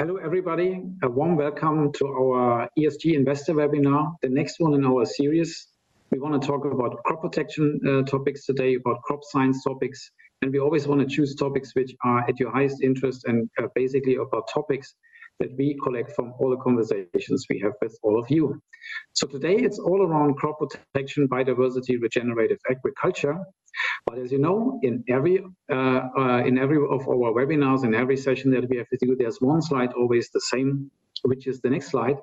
Hello, everybody, a warm welcome to our ESG Investor Webinar, the next one in our series. We wanna talk about crop protection, topics today, about crop science topics, and we always wanna choose topics which are at your highest interest and, basically about topics that we collect from all the conversations we have with all of you. So today, it's all around crop protection, biodiversity, regenerative agriculture. But as you know, in every, in every of our webinars, in every session that we have to do, there's one slide always the same, which is the next slide,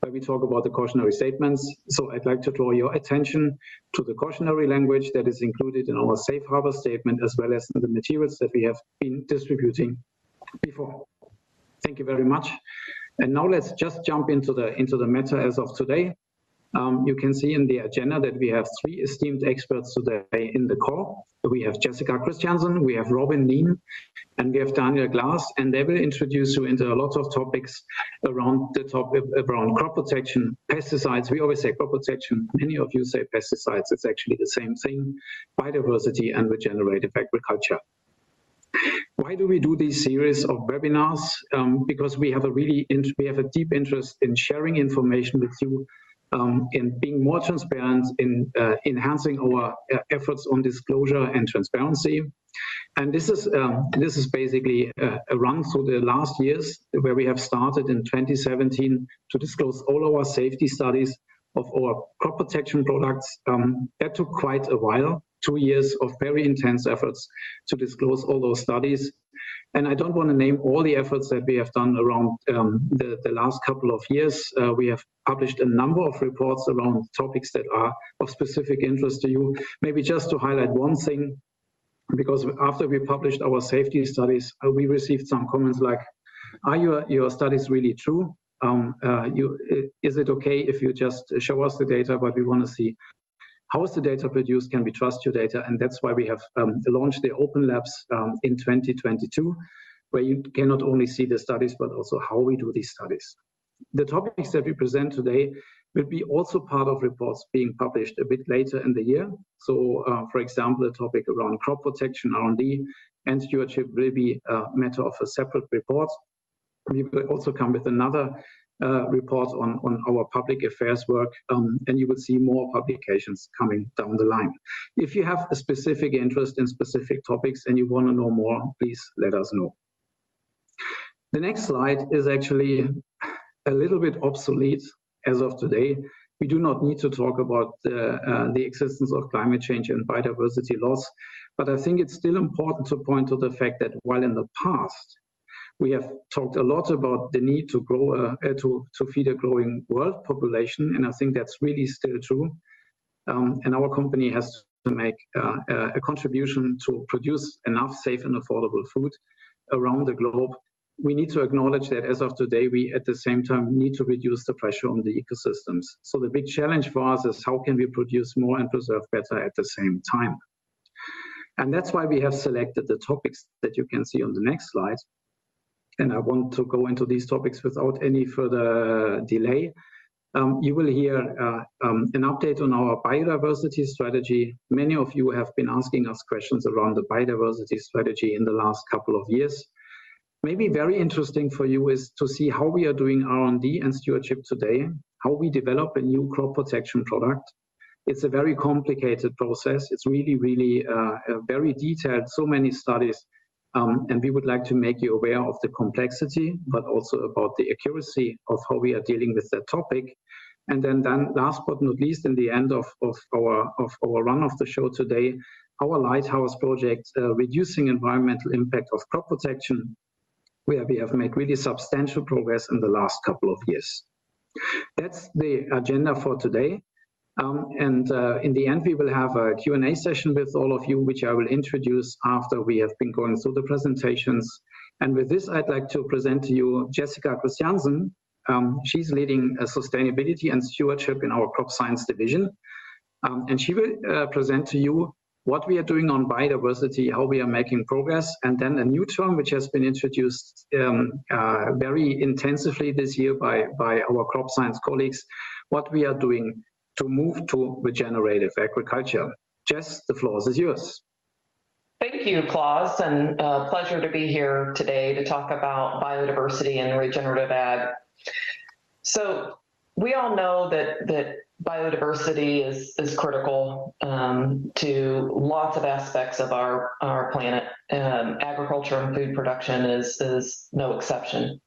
where we talk about the cautionary statements. So I'd like to draw your attention to the cautionary language that is included in our safe harbor statement, as well as the materials that we have been distributing before. Thank you very much. Now let's just jump into the matter as of today. You can see in the agenda that we have three esteemed experts today in the call. We have Jessica Christiansen, we have Robyn Kneen, and we have Daniel Glass, and they will introduce you into a lot of topics around crop protection, pesticides. We always say crop protection. Many of you say pesticides. It's actually the same thing, biodiversity and regenerative agriculture. Why do we do these series of webinars? Because we have a deep interest in sharing information with you, in being more transparent, in enhancing our efforts on disclosure and transparency. This is basically a run through the last years, where we have started in 2017 to disclose all our safety studies of our crop protection products. That took quite a while, two years of very intense efforts to disclose all those studies. And I don't wanna name all the efforts that we have done around the last couple of years. We have published a number of reports around topics that are of specific interest to you. Maybe just to highlight one thing, because after we published our safety studies, we received some comments like: "Are your studies really true? Is it okay if you just show us the data? But we wanna see how is the data produced? Can we trust your data?" And that's why we have launched the OpenLabs in 2022, where you can not only see the studies, but also how we do these studies. The topics that we present today will be also part of reports being published a bit later in the year. So, for example, a topic around crop protection, R&D, and stewardship will be a matter of a separate report. We will also come with another report on our public affairs work, and you will see more publications coming down the line. If you have a specific interest in specific topics and you wanna know more, please let us know. The next slide is actually a little bit obsolete as of today. We do not need to talk about the existence of climate change and biodiversity loss, but I think it's still important to point to the fact that while in the past, we have talked a lot about the need to grow to feed a growing world population, and I think that's really still true, and our company has to make a contribution to produce enough safe and affordable food around the globe. We need to acknowledge that as of today, we, at the same time, need to reduce the pressure on the ecosystems. So the big challenge for us is how can we produce more and preserve better at the same time? And that's why we have selected the topics that you can see on the next slide, and I want to go into these topics without any further delay. You will hear an update on our biodiversity strategy. Many of you have been asking us questions around the biodiversity strategy in the last couple of years. Maybe very interesting for you is to see how we are doing R&D and stewardship today, how we develop a new crop protection product. It's a very complicated process. It's really, really a very detailed, so many studies, and we would like to make you aware of the complexity, but also about the accuracy of how we are dealing with that topic. Then last but not least, in the end of our run of the show today, our Lighthouse project, reducing environmental impact of crop protection, where we have made really substantial progress in the last couple of years. That's the agenda for today. In the end, we will have a Q&A session with all of you, which I will introduce after we have been going through the presentations. And with this, I'd like to present to you Jessica Christiansen. She's leading sustainability and stewardship in our Crop Science division, and she will present to you what we are doing on biodiversity, how we are making progress, and then a new term, which has been introduced very intensively this year by our crop science colleagues, what we are doing to move to regenerative agriculture. Jess, the floor is yours. Thank you, Klaus, and pleasure to be here today to talk about biodiversity and regenerative ag. We all know that biodiversity is critical to lots of aspects of our planet. Agriculture and food production is no exception.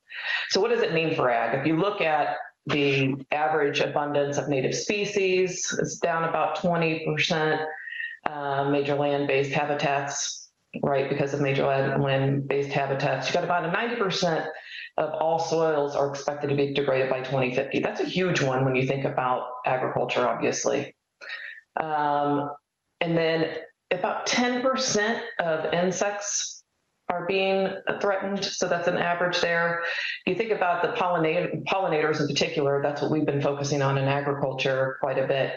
So what does it mean for ag? If you look at the average abundance of native species, it's down about 20%, major land-based habitats, right? Because of major land-based habitats. You got about 90% of all soils are expected to be degraded by 2050. That's a huge one when you think about agriculture, obviously. And then about 10% of insects are being threatened, so that's an average there. You think about the pollinators in particular, that's what we've been focusing on in agriculture quite a bit....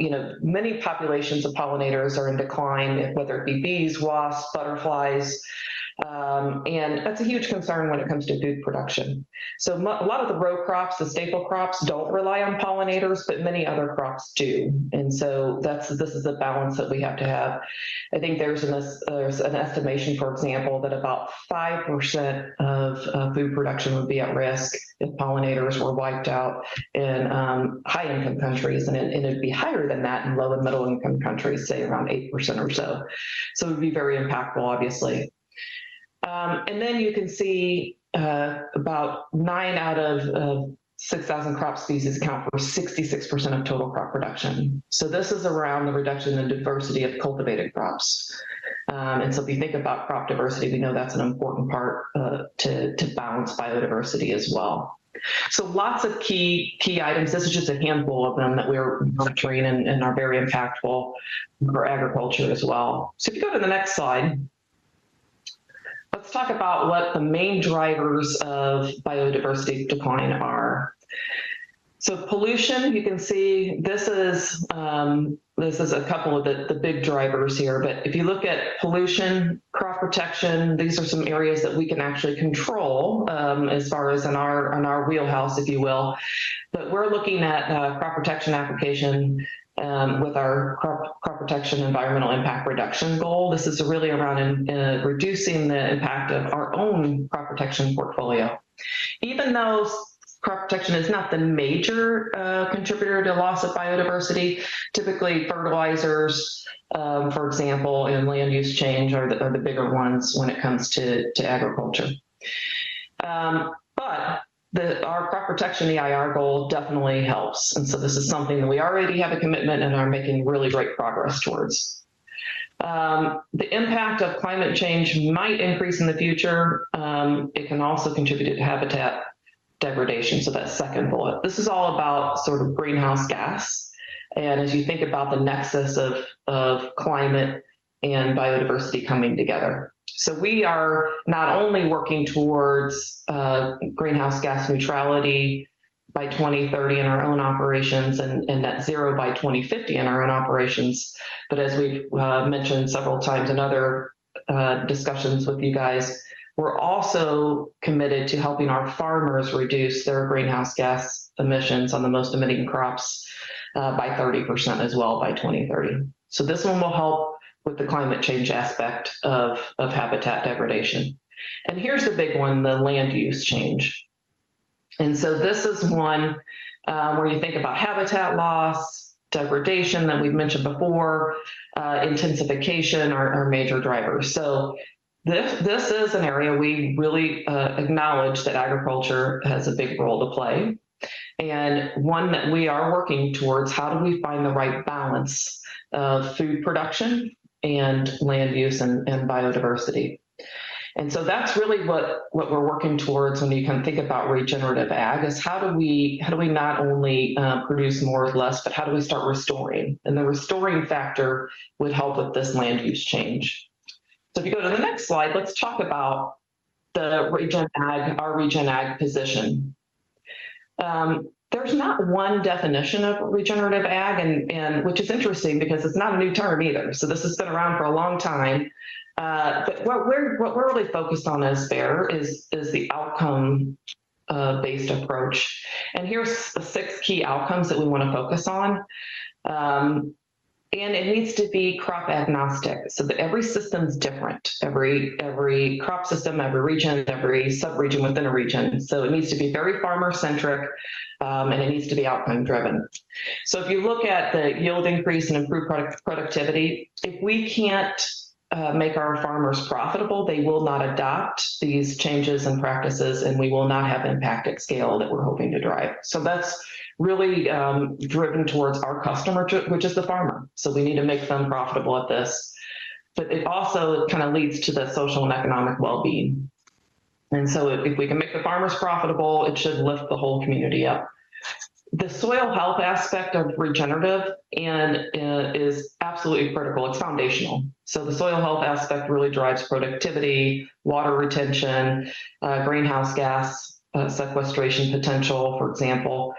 You know, many populations of pollinators are in decline, whether it be bees, wasps, butterflies, and that's a huge concern when it comes to food production. So a lot of the row crops, the staple crops, don't rely on pollinators, but many other crops do, and so that's, this is a balance that we have to have. I think there's an estimation, for example, that about 5% of food production would be at risk if pollinators were wiped out in high-income countries, and it, and it'd be higher than that in low and middle-income countries, say, around 8% or so. So it would be very impactful, obviously. And then you can see about nine out of 6,000 crop species account for 66% of total crop production. So this is around the reduction in diversity of cultivated crops. And so if we think about crop diversity, we know that's an important part, to balance biodiversity as well. So lots of key, key items. This is just a handful of them that we're monitoring and are very impactful for agriculture as well. So if you go to the next slide, let's talk about what the main drivers of biodiversity decline are. So pollution, you can see this is a couple of the big drivers here, but if you look at pollution, crop protection, these are some areas that we can actually control, as far as in our wheelhouse, if you will. But we're looking at crop protection application, with our crop protection environmental impact reduction goal. This is really around reducing the impact of our own crop protection portfolio. Even though crop protection is not the major contributor to loss of biodiversity, typically, fertilizers, for example, and land use change are the bigger ones when it comes to agriculture. But our crop protection EIR goal definitely helps, and so this is something that we already have a commitment and are making really great progress towards. The impact of climate change might increase in the future. It can also contribute to habitat degradation, so that second bullet. This is all about sort of greenhouse gas, and as you think about the nexus of climate and biodiversity coming together. So we are not only working towards greenhouse gas neutrality by 2030 in our own operations and net zero by 2050 in our own operations, but as we've mentioned several times in other discussions with you guys, we're also committed to helping our farmers reduce their greenhouse gas emissions on the most emitting crops by 30% as well by 2030. So this one will help with the climate change aspect of habitat degradation. And here's a big one, the land use change. And so this is one where you think about habitat loss, degradation that we've mentioned before, intensification are major drivers. So this is an area we really acknowledge that agriculture has a big role to play, and one that we are working towards. How do we find the right balance of food production and land use and biodiversity? So that's really what we're working towards when you kind of think about regenerative ag: how do we not only produce more with less, but how do we start restoring? And the restoring factor would help with this land use change. So if you go to the next slide, let's talk about the regen ag, our regen ag position. There's not one definition of regenerative ag, and which is interesting, because it's not a new term either. So this has been around for a long time. But what we're really focused on is the outcome-based approach. And here's the six key outcomes that we want to focus on. And it needs to be crop agnostic, so that every system is different, every crop system, every region, every subregion within a region. So it needs to be very farmer-centric, and it needs to be outcome-driven. So if you look at the yield increase and improved productivity, if we can't make our farmers profitable, they will not adopt these changes and practices, and we will not have impact at scale that we're hoping to drive. So that's really driven towards our customer too, which is the farmer, so we need to make them profitable at this. But it also kind of leads to the social and economic well-being. And so if we can make the farmers profitable, it should lift the whole community up. The soil health aspect of regenerative ag is absolutely critical. It's foundational. So the soil health aspect really drives productivity, water retention, greenhouse gas sequestration potential, for example.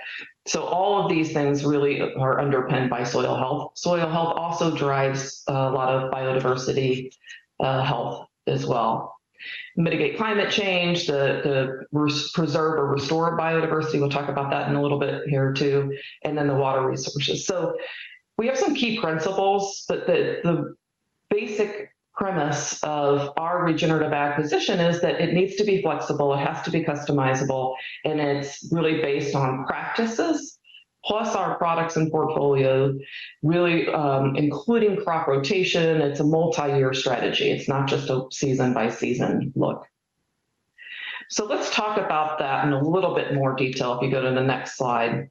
So all of these things really are underpinned by soil health. Soil health also drives a lot of biodiversity health as well. Mitigate climate change, preserve or restore biodiversity, we'll talk about that in a little bit here, too, and then the water resources. So we have some key principles, but the basic premise of our regenerative ag position is that it needs to be flexible, it has to be customizable, and it's really based on practices, plus our products and portfolio, really, including crop rotation. It's a multi-year strategy. It's not just a season-by-season look. So let's talk about that in a little bit more detail if you go to the next slide.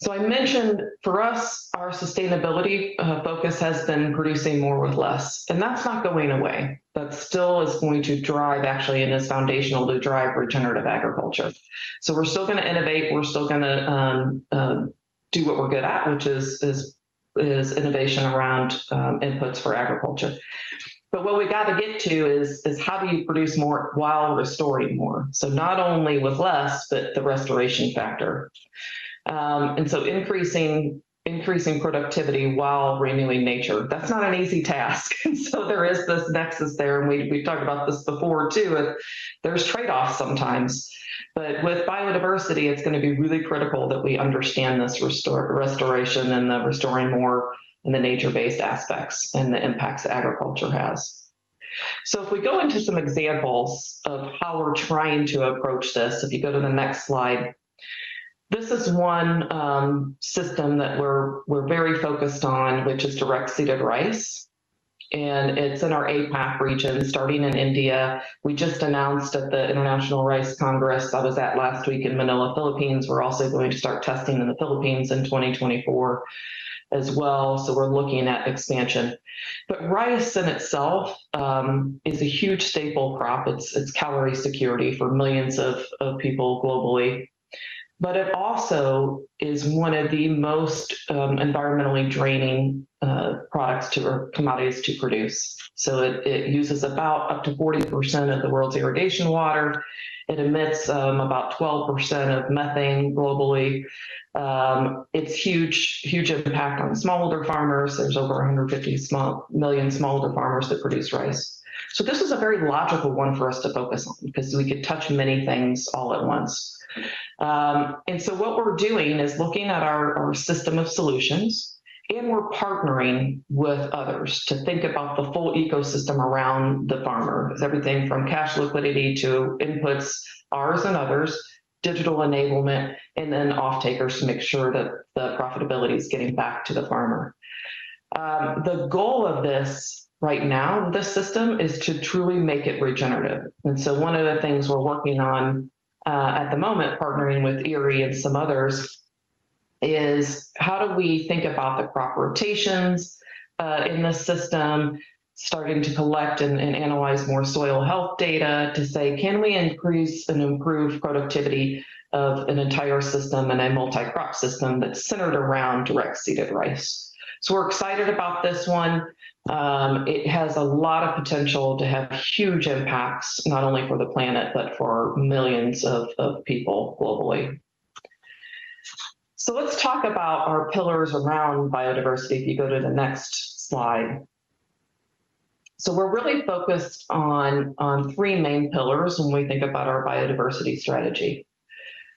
So I mentioned, for us, our sustainability focus has been producing more with less, and that's not going away. That still is going to drive, actually, and it's foundational to drive regenerative agriculture. So we're still gonna innovate, we're still gonna do what we're good at, which is innovation around inputs for agriculture. But what we've got to get to is how do you produce more while restoring more? So not only with less, but the restoration factor. And so increasing productivity while renewing nature, that's not an easy task. And so there is this nexus there, and we've talked about this before, too, and there's trade-offs sometimes. But with biodiversity, it's gonna be really critical that we understand this restoration and the restoring more in the nature-based aspects and the impacts agriculture has. If we go into some examples of how we're trying to approach this, if you go to the next slide, this is one system that we're very focused on, which is direct-seeded rice, and it's in our APAC region, starting in India. We just announced at the International Rice Congress, I was at last week in Manila, Philippines, we're also going to start testing in the Philippines in 2024 as well, so we're looking at expansion. Rice in itself is a huge staple crop. It's calorie security for millions of people globally. It also is one of the most environmentally draining products or commodities to produce. It uses about up to 40% of the world's irrigation water. It emits about 12% of methane globally. It's a huge, huge impact on smallholder farmers. There's over 150 million smallholder farmers that produce rice. This is a very logical one for us to focus on because we could touch many things all at once. What we're doing is looking at our system of solutions, and we're partnering with others to think about the full ecosystem around the farmer. It's everything from cash liquidity to inputs, ours and others, digital enablement, and then off-takers to make sure that the profitability is getting back to the farmer. The goal of this right now, this system, is to truly make it regenerative, and so one of the things we're working on at the moment, partnering with IRRI and some others, is: How do we think about the crop rotations in this system, starting to collect and analyze more soil health data to say, "Can we increase and improve productivity of an entire system and a multi-crop system that's centered around direct-seeded rice?" So we're excited about this one. It has a lot of potential to have huge impacts, not only for the planet, but for millions of people globally. So let's talk about our pillars around biodiversity. If you go to the next slide. So we're really focused on three main pillars when we think about our biodiversity strategy.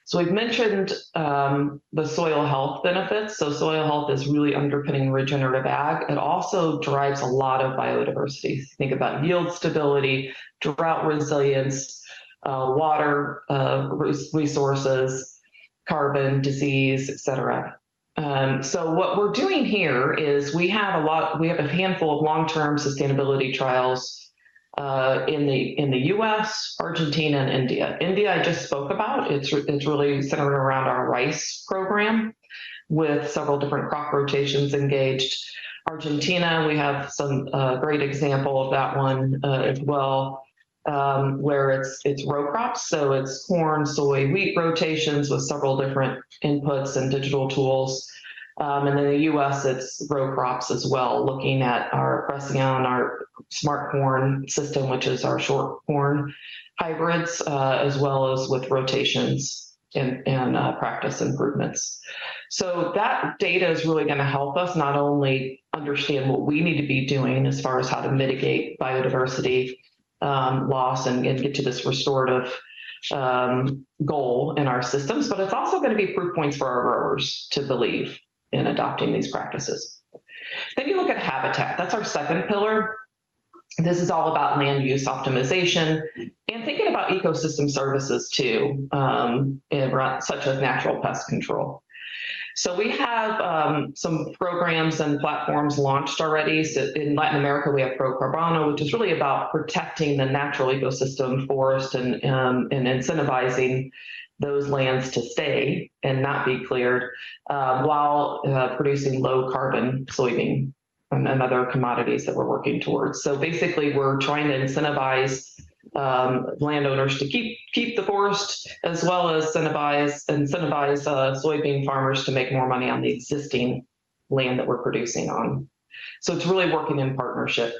So we've mentioned the soil health benefits. Soil health is really underpinning regenerative ag. It also drives a lot of biodiversity. Think about yield stability, drought resilience, water resources, carbon, disease, et cetera. What we're doing here is we have a handful of long-term sustainability trials in the U.S., Argentina, and India. India, I just spoke about. It's really centered around our rice program with several different crop rotations engaged. Argentina, we have some great example of that one as well, where it's row crops, so it's corn, soy, wheat rotations with several different inputs and digital tools. In the U.S., it's row crops as well, looking at our... pressing on our Smart Corn System, which is our short corn hybrids, as well as with rotations and practice improvements. So that data is really gonna help us not only understand what we need to be doing as far as how to mitigate biodiversity loss and get to this restorative goal in our systems, but it's also gonna be proof points for our growers to believe in adopting these practices. Then you look at habitat. That's our second pillar. This is all about land use optimization and thinking about ecosystem services, too, and such as natural pest control. So we have some programs and platforms launched already. So in Latin America, we have ProCarbono, which is really about protecting the natural ecosystem forest and incentivizing those lands to stay and not be cleared while producing low-carbon soybean and other commodities that we're working towards. So basically, we're trying to incentivize landowners to keep the forest, as well as incentivize soybean farmers to make more money on the existing land that we're producing on. So it's really working in partnership.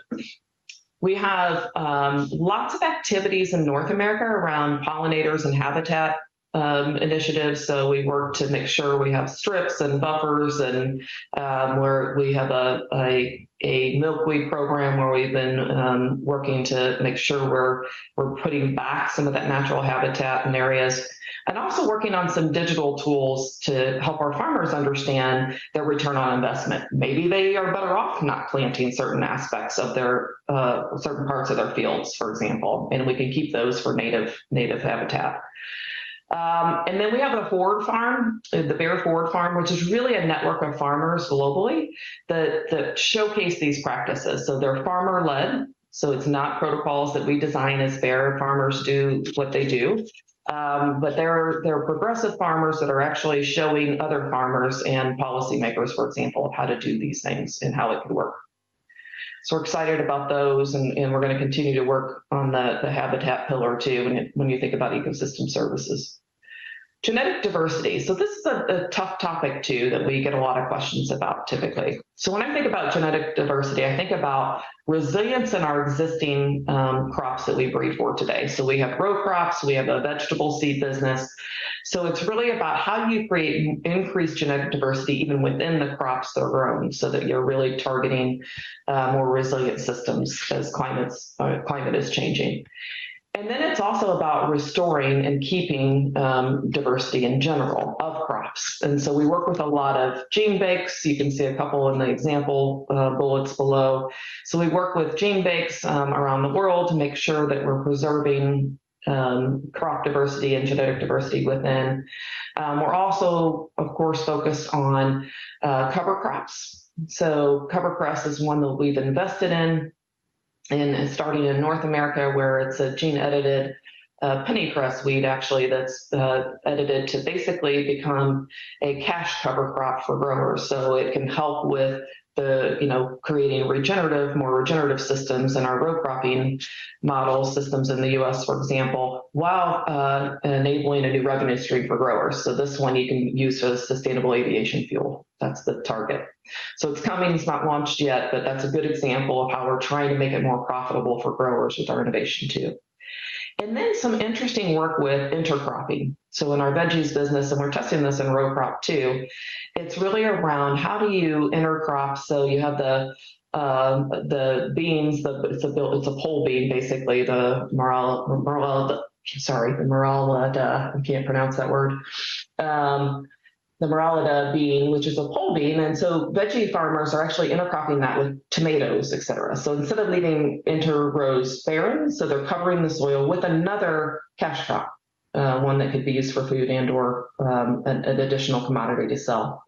We have lots of activities in North America around pollinators and habitat initiatives, so we work to make sure we have strips and buffers and we have a milkweed program where we've been working to make sure we're putting back some of that natural habitat in areas, and also working on some digital tools to help our farmers understand their return on investment. Maybe they are better off not planting certain aspects of their certain parts of their fields, for example, and we can keep those for native habitat. And then we have a Forward Farms, the Bayer Forward Farms, which is really a network of farmers globally that, that showcase these practices. So they're farmer-led, so it's not protocols that we design as Bayer farmers do what they do. But they're, they're progressive farmers that are actually showing other farmers and policymakers, for example, of how to do these things and how it could work. So we're excited about those, and, and we're gonna continue to work on the, the habitat pillar, too, when, when you think about ecosystem services.... genetic diversity. So this is a, a tough topic, too, that we get a lot of questions about typically. So when I think about genetic diversity, I think about resilience in our existing, crops that we breed for today. So we have row crops, we have a vegetable seed business. So it's really about how do you create and increase genetic diversity even within the crops that are grown, so that you're really targeting more resilient systems as climates, climate is changing? And then it's also about restoring and keeping diversity in general of crops. And so we work with a lot of genebanks. You can see a couple in the example bullets below. So we work with genebanks around the world to make sure that we're preserving crop diversity and genetic diversity within. We're also, of course, focused on cover crops. So cover crops is one that we've invested in and starting in North America, where it's a gene-edited pennycress weed, actually, that's edited to basically become a cash cover crop for growers. So it can help with the, you know, creating regenerative, more regenerative systems in our row cropping model systems in the U.S., for example, while enabling a new revenue stream for growers. So this one you can use as sustainable aviation fuel. That's the target. So it's coming. It's not launched yet, but that's a good example of how we're trying to make it more profitable for growers with our innovation too. And then some interesting work with intercropping. So in our veggies business, and we're testing this in row crop too, it's really around how do you intercrop so you have the the beans, it's a pole bean, basically, the Marolda, sorry, I can't pronounce that word. The Marolda bean, which is a pole bean, and so veggie farmers are actually intercropping that with tomatoes, et cetera. So instead of leaving interrows barren, so they're covering the soil with another cash crop, one that could be used for food and/or, an additional commodity to sell.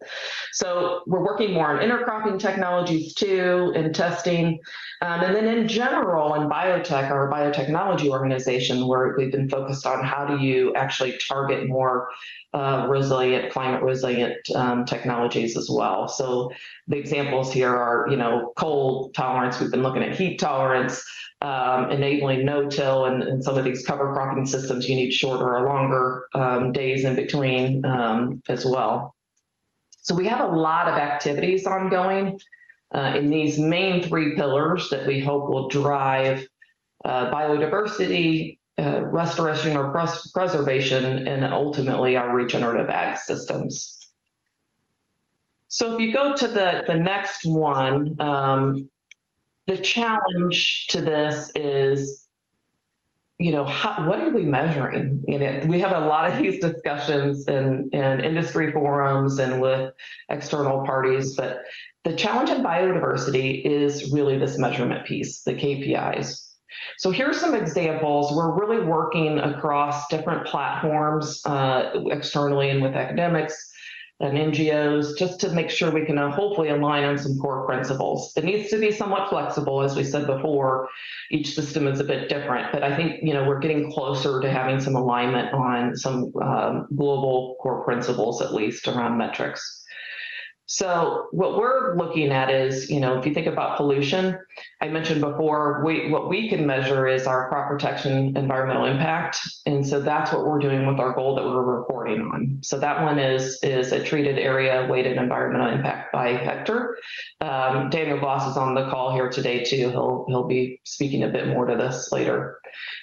So we're working more on intercropping technologies, too, and testing. And then in general, in biotech, our biotechnology organization, where we've been focused on how do you actually target more, resilient, climate-resilient, technologies as well. So the examples here are, you know, cold tolerance. We've been looking at heat tolerance, enabling no-till, and some of these cover cropping systems, you need shorter or longer, days in between, as well. So we have a lot of activities ongoing, in these main three pillars that we hope will drive, biodiversity, restoration or preservation, and ultimately, our regenerative ag systems. So if you go to the next one, the challenge to this is, you know, how—what are we measuring in it? We have a lot of these discussions in industry forums and with external parties, but the challenge in biodiversity is really this measurement piece, the KPIs. So here are some examples. We're really working across different platforms externally and with academics and NGOs, just to make sure we can hopefully align on some core principles. It needs to be somewhat flexible. As we said before, each system is a bit different, but I think, you know, we're getting closer to having some alignment on some global core principles, at least around metrics. So what we're looking at is, you know, if you think about pollution, I mentioned before, we... What we can measure is our crop protection environmental impact, and so that's what we're doing with our goal that we're reporting on. So that one is a treated area, weighted environmental impact by hectare. David Voss is on the call here today, too. He'll be speaking a bit more to this later.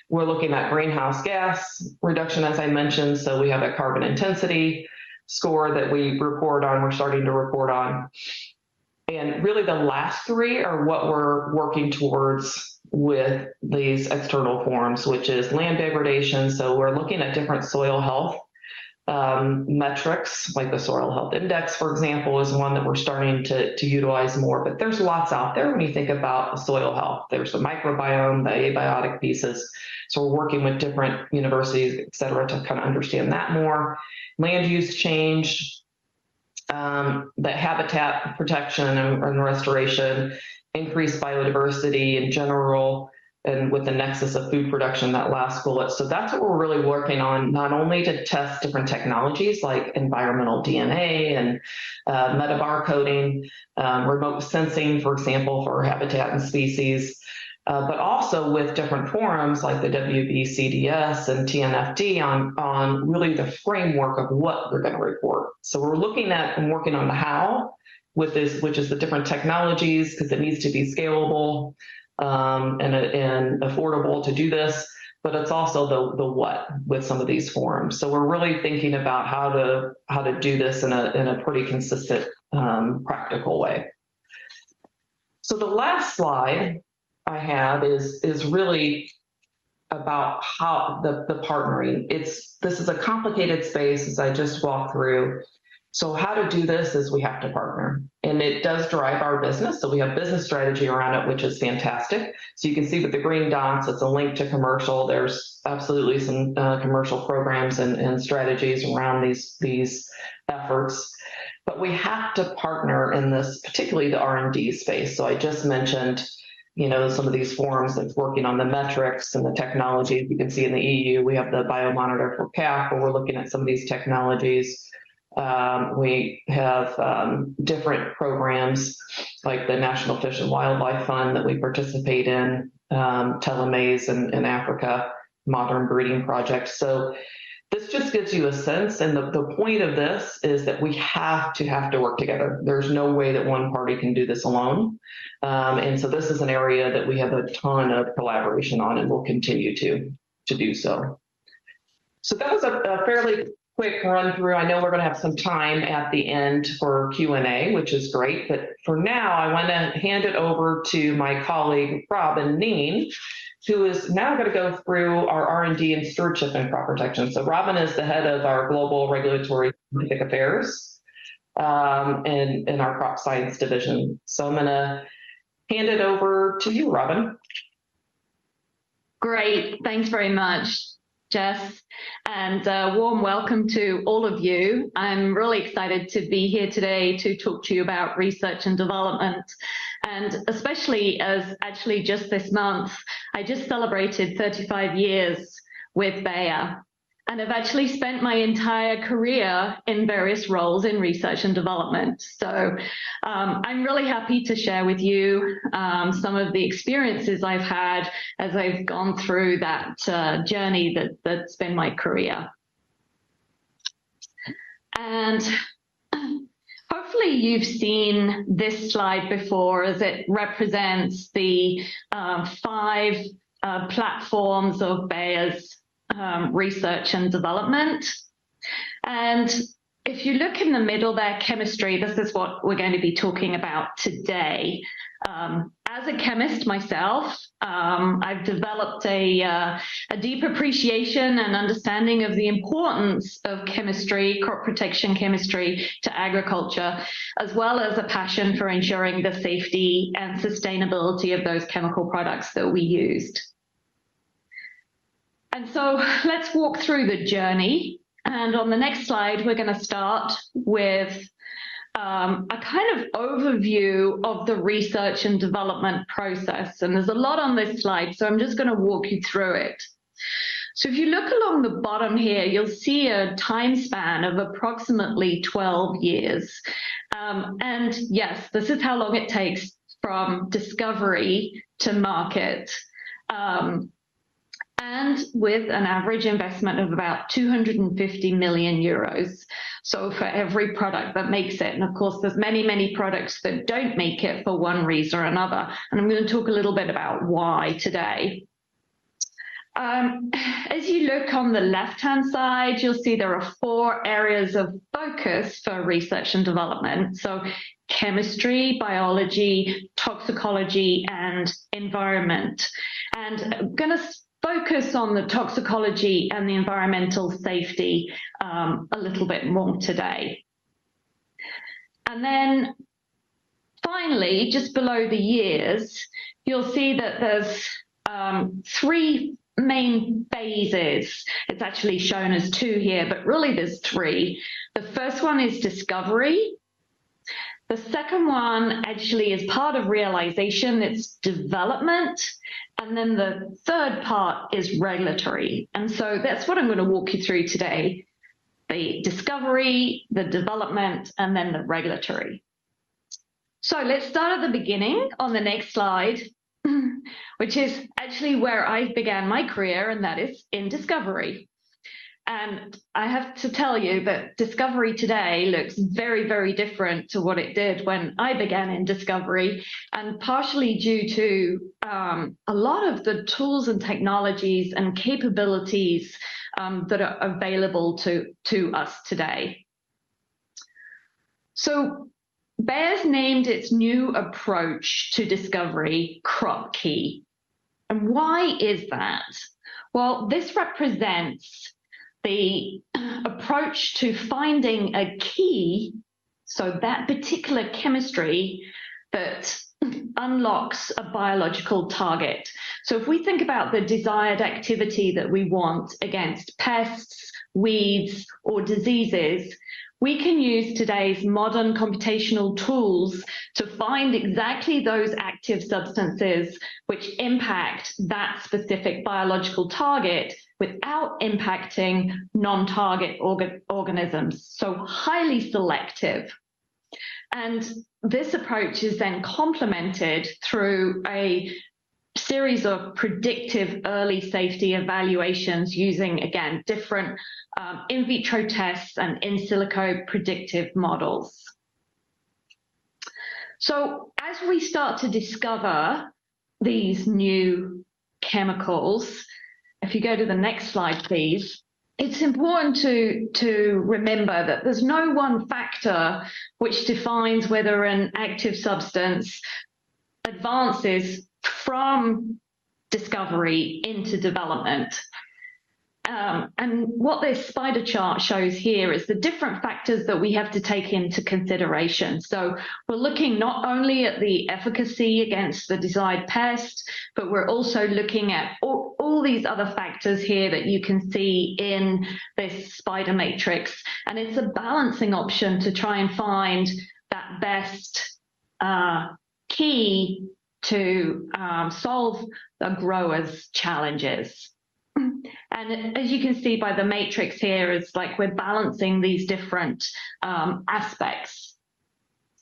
We're looking at greenhouse gas reduction, as I mentioned, so we have a carbon intensity score that we report on, we're starting to report on. And really, the last three are what we're working towards with these external forums, which is land degradation. So we're looking at different soil health metrics, like the Soil Health Index, for example, is one that we're starting to utilize more. But there's lots out there when you think about soil health. There's the microbiome, the abiotic pieces, so we're working with different universities, et cetera, to kind of understand that more. Land use change, the habitat protection and restoration, increased biodiversity in general, and with the nexus of food production, that last bullet. So that's what we're really working on, not only to test different technologies like environmental DNA and metabarcoding, remote sensing, for example, for habitat and species, but also with different forums like the WBCSD and TNFD on really the framework of what we're going to report. So we're looking at and working on the how with this, which is the different technologies, 'cause it needs to be scalable and affordable to do this, but it's also the what with some of these forums. So we're really thinking about how to, how to do this in a, in a pretty consistent, practical way. So the last slide I have is really about how the partnering. It's this is a complicated space, as I just walked through. So how to do this is we have to partner, and it does drive our business, so we have business strategy around it, which is fantastic. So you can see with the green dots, it's a link to commercial. There's absolutely some commercial programs and strategies around these efforts. But we have to partner in this, particularly the R&D space. So I just mentioned, you know, some of these forums that's working on the metrics and the technology. You can see in the EU, we have the BioMonitor4CAP, where we're looking at some of these technologies. We have different programs like the National Fish and Wildlife Foundation that we participate in, TELA Maize in Africa, modern breeding projects. So this just gives you a sense, and the point of this is that we have to work together. There's no way that one party can do this alone. And so this is an area that we have a ton of collaboration on and will continue to do so. So that was a fairly quick run through. I know we're gonna have some time at the end for Q&A, which is great, but for now I want to hand it over to my colleague, Robyn Kneen, who is now gonna go through our R&D and stewardship and crop protection. So Robyn is the head of our Global Regulatory Affairs in our Crop Science division. I'm gonna hand it over to you, Robyn. Great. Thanks very much, Jess, and a warm welcome to all of you. I'm really excited to be here today to talk to you about research and development, and especially as actually just this month, I just celebrated 35 years with Bayer. And I've actually spent my entire career in various roles in research and development. So, I'm really happy to share with you some of the experiences I've had as I've gone through that journey that's been my career. And, hopefully you've seen this slide before as it represents the 5 platforms of Bayer's research and development. And if you look in the middle there, chemistry, this is what we're going to be talking about today. As a chemist myself, I've developed a deep appreciation and understanding of the importance of chemistry, crop protection chemistry to agriculture, as well as a passion for ensuring the safety and sustainability of those chemical products that we used. So let's walk through the journey, and on the next slide, we're gonna start with a kind of overview of the research and development process. There's a lot on this slide, so I'm just gonna walk you through it. If you look along the bottom here, you'll see a time span of approximately 12 years. And yes, this is how long it takes from discovery to market, and with an average investment of about 250 million euros. So for every product that makes it, and of course, there's many, many products that don't make it for one reason or another, and I'm gonna talk a little bit about why today. As you look on the left-hand side, you'll see there are four areas of focus for research and development, so chemistry, biology, toxicology, and environment. And I'm gonna focus on the toxicology and the environmental safety, a little bit more today. And then finally, just below the years, you'll see that there's three main phases. It's actually shown as two here, but really there's three. The first one is discovery. The second one actually is part of realization, it's development, and then the third part is regulatory. And so that's what I'm gonna walk you through today, the discovery, the development, and then the regulatory. Let's start at the beginning on the next slide, which is actually where I began my career, and that is in discovery. I have to tell you that discovery today looks very, very different to what it did when I began in discovery, and partially due to a lot of the tools and technologies and capabilities that are available to us today. Bayer's named its new approach to discovery, CropKey. Why is that? Well, this represents the approach to finding a key, so that particular chemistry that unlocks a biological target. If we think about the desired activity that we want against pests, weeds, or diseases, we can use today's modern computational tools to find exactly those active substances which impact that specific biological target without impacting non-target organisms, so highly selective. And this approach is then complemented through a series of predictive early safety evaluations using, again, different, in vitro tests and in silico predictive models. So as we start to discover these new chemicals, if you go to the next slide, please, it's important to remember that there's no one factor which defines whether an active substance advances from discovery into development. And what this spider chart shows here is the different factors that we have to take into consideration. So we're looking not only at the efficacy against the desired pest, but we're also looking at all these other factors here that you can see in this spider matrix. And it's a balancing option to try and find that best key to solve the grower's challenges. As you can see by the matrix here, it's like we're balancing these different aspects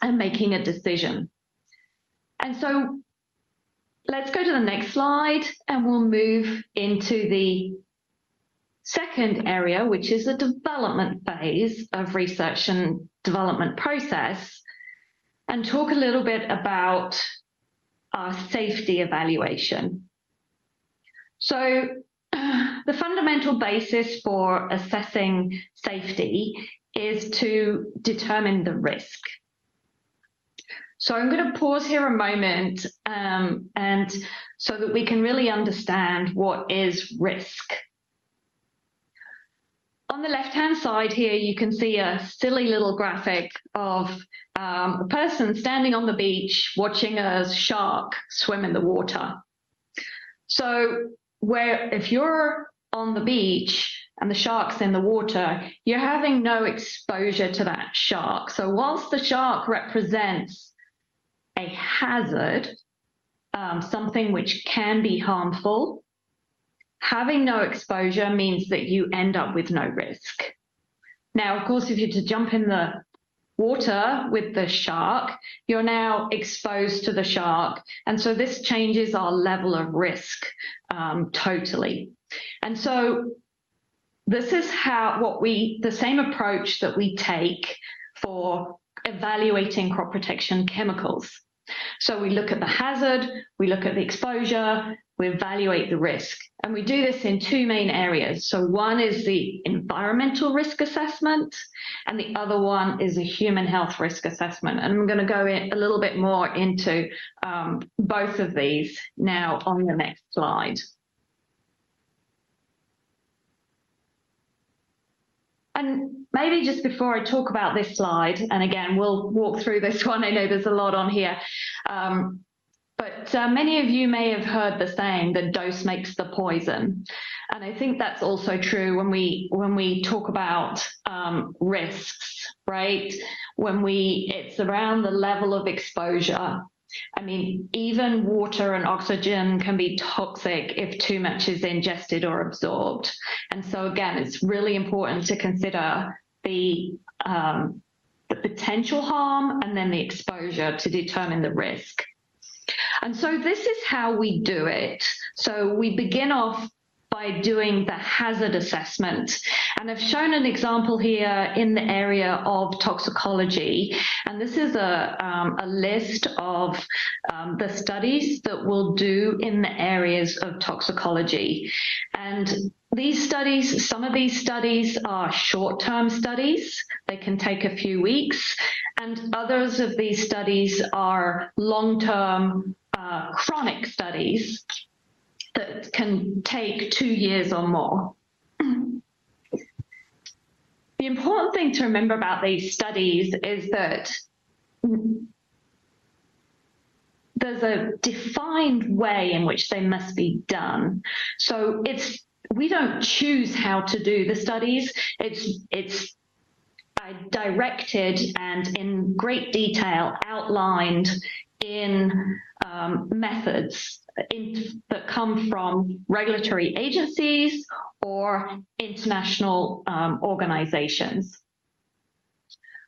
and making a decision. So let's go to the next slide, and we'll move into the second area, which is the development phase of research and development process, and talk a little bit about our safety evaluation. The fundamental basis for assessing safety is to determine the risk. So I'm gonna pause here a moment, and so that we can really understand what is risk. On the left-hand side here, you can see a silly little graphic of a person standing on the beach watching a shark swim in the water. So where if you're on the beach and the shark's in the water, you're having no exposure to that shark. So while the shark represents a hazard, something which can be harmful, having no exposure means that you end up with no risk. Now, of course, if you're to jump in the water with the shark, you're now exposed to the shark, and so this changes our level of risk totally. And so this is how the same approach that we take for evaluating crop protection chemicals. So we look at the hazard, we look at the exposure, we evaluate the risk, and we do this in two main areas. So one is the environmental risk assessment, and the other one is a human health risk assessment. And I'm gonna go in a little bit more into both of these now on the next slide. And maybe just before I talk about this slide, and again, we'll walk through this one. I know there's a lot on here. But many of you may have heard the saying that dose makes the poison, and I think that's also true when we talk about risks, right? When we... It's around the level of exposure. I mean, even water and oxygen can be toxic if too much is ingested or absorbed. And so again, it's really important to consider the potential harm and then the exposure to determine the risk. And so this is how we do it. So we begin off by doing the hazard assessment, and I've shown an example here in the area of toxicology. And this is a list of the studies that we'll do in the areas of toxicology. And these studies, some of these studies are short-term studies. They can take a few weeks, and others of these studies are long-term, chronic studies that can take two years or more. The important thing to remember about these studies is that there's a defined way in which they must be done. So it's - we don't choose how to do the studies, it's, it's directed and in great detail, outlined in methods that come from regulatory agencies or international organizations.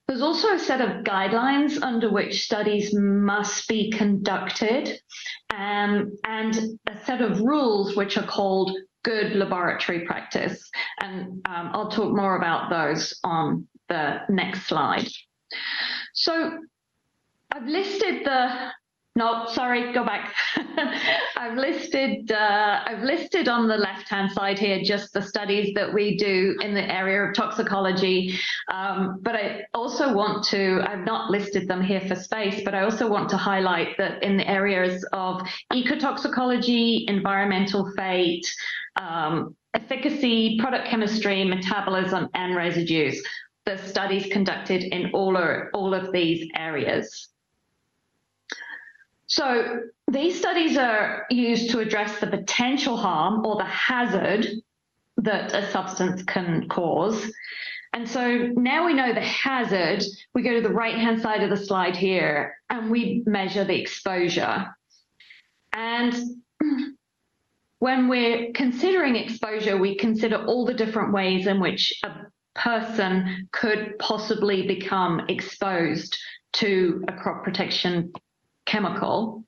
There's also a set of guidelines under which studies must be conducted, and a set of rules which are called Good Laboratory Practice. And I'll talk more about those on the next slide. So I've listed on the left-hand side here, just the studies that we do in the area of toxicology. But I also want to... I've not listed them here for space, but I also want to highlight that in the areas of ecotoxicology, environmental fate, efficacy, product chemistry, metabolism, and residues, there are studies conducted in all of these areas. So these studies are used to address the potential harm or the hazard that a substance can cause. And so now we know the hazard, we go to the right-hand side of the slide here, and we measure the exposure. And when we're considering exposure, we consider all the different ways in which a person could possibly become exposed to a crop protection chemical.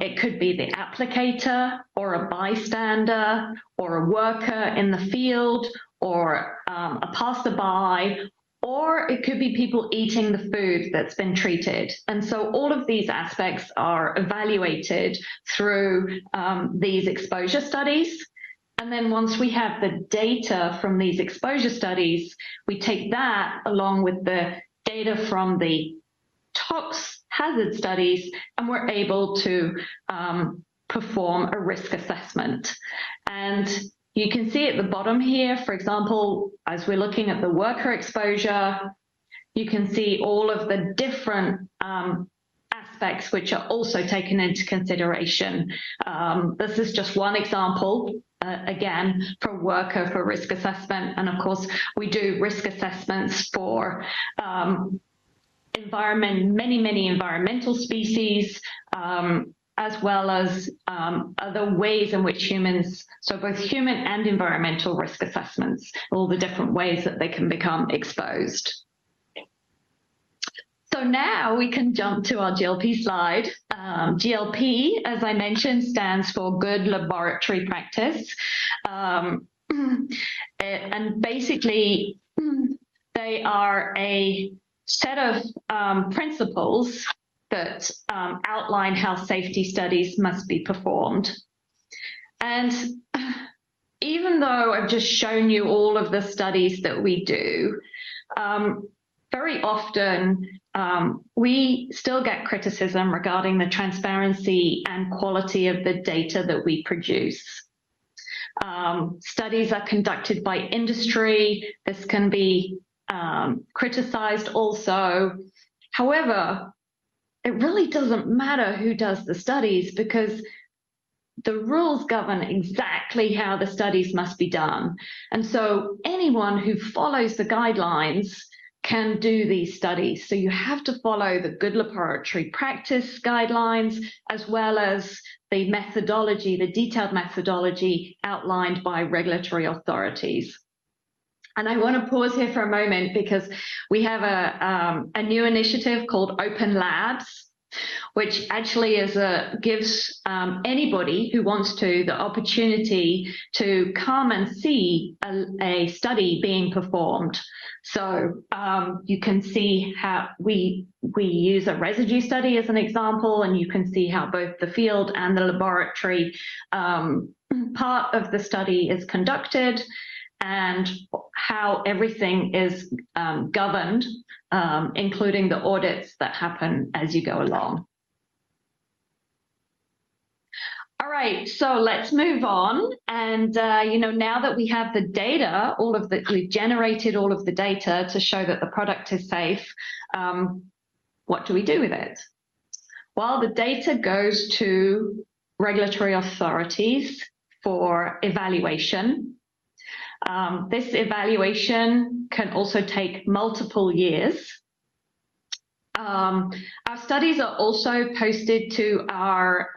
It could be the applicator, or a bystander, or a worker in the field, or a passerby, or it could be people eating the food that's been treated. And so all of these aspects are evaluated through these exposure studies. And then once we have the data from these exposure studies, we take that along with the data from the tox hazard studies, and we're able to perform a risk assessment. You can see at the bottom here, for example, as we're looking at the worker exposure, you can see all of the different aspects which are also taken into consideration. This is just one example, again, for worker, for risk assessment, and of course, we do risk assessments for environment, many, many environmental species, as well as other ways in which humans, so both human and environmental risk assessments, all the different ways that they can become exposed. Now we can jump to our GLP slide. GLP, as I mentioned, stands for Good Laboratory Practice. And basically, they are a set of principles that outline how safety studies must be performed. Even though I've just shown you all of the studies that we do, very often, we still get criticism regarding the transparency and quality of the data that we produce. Studies are conducted by industry. This can be criticized also. However, it really doesn't matter who does the studies because the rules govern exactly how the studies must be done, and so anyone who follows the guidelines can do these studies. You have to follow the Good Laboratory Practice guidelines, as well as the methodology, the detailed methodology outlined by regulatory authorities. I wanna pause here for a moment because we have a new initiative called OpenLabs, which actually gives anybody who wants to the opportunity to come and see a study being performed. So you can see how we use a residue study as an example, and you can see how both the field and the laboratory part of the study is conducted, and how everything is governed, including the audits that happen as you go along. All right, so let's move on. You know, now that we have the data, we've generated all of the data to show that the product is safe, what do we do with it? Well, the data goes to regulatory authorities for evaluation. This evaluation can also take multiple years. Our studies are also posted to our,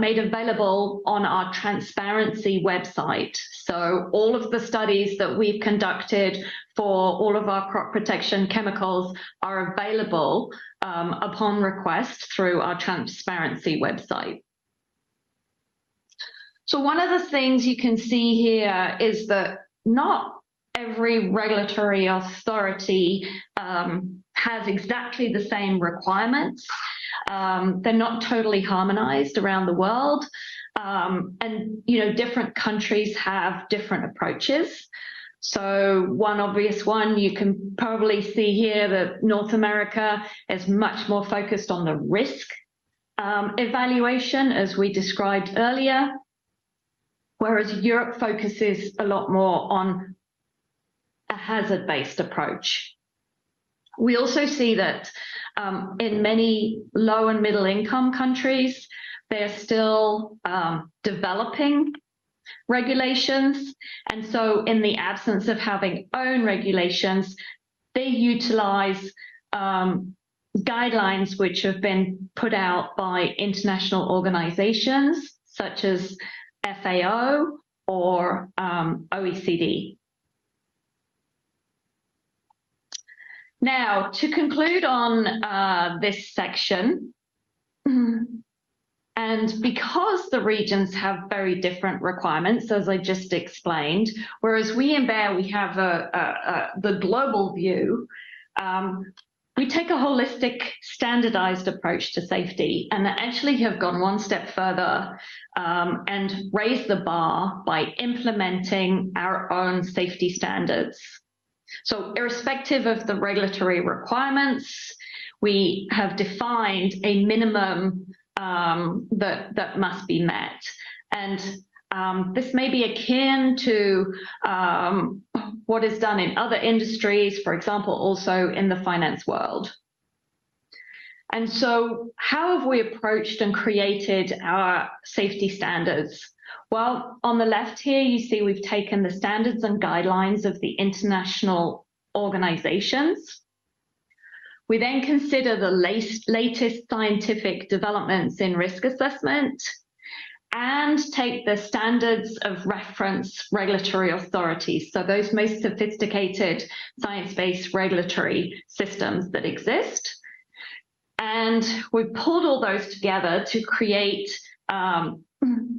made available on our transparency website. So all of the studies that we've conducted for all of our crop protection chemicals are available, upon request through our transparency website. So one of the things you can see here is that not every regulatory authority, has exactly the same requirements. They're not totally harmonized around the world, and, you know, different countries have different approaches. So one obvious one you can probably see here that North America is much more focused on the risk, evaluation, as we described earlier, whereas Europe focuses a lot more on a hazard-based approach. We also see that, in many low and middle-income countries, they're still developing regulations, and so in the absence of having own regulations, they utilize guidelines which have been put out by international organizations such as FAO or OECD. Now, to conclude on this section, and because the regions have very different requirements, as I just explained, whereas we in Bayer, we have the global view, we take a holistic, standardized approach to safety and actually have gone one step further, and raised the bar by implementing our own safety standards. So irrespective of the regulatory requirements, we have defined a minimum that must be met. And, this may be akin to what is done in other industries, for example, also in the finance world. And so how have we approached and created our safety standards? Well, on the left here, you see we've taken the standards and guidelines of the international organizations. We then consider the latest scientific developments in risk assessment and take the standards of reference regulatory authorities, so those most sophisticated science-based regulatory systems that exist. And we pulled all those together to create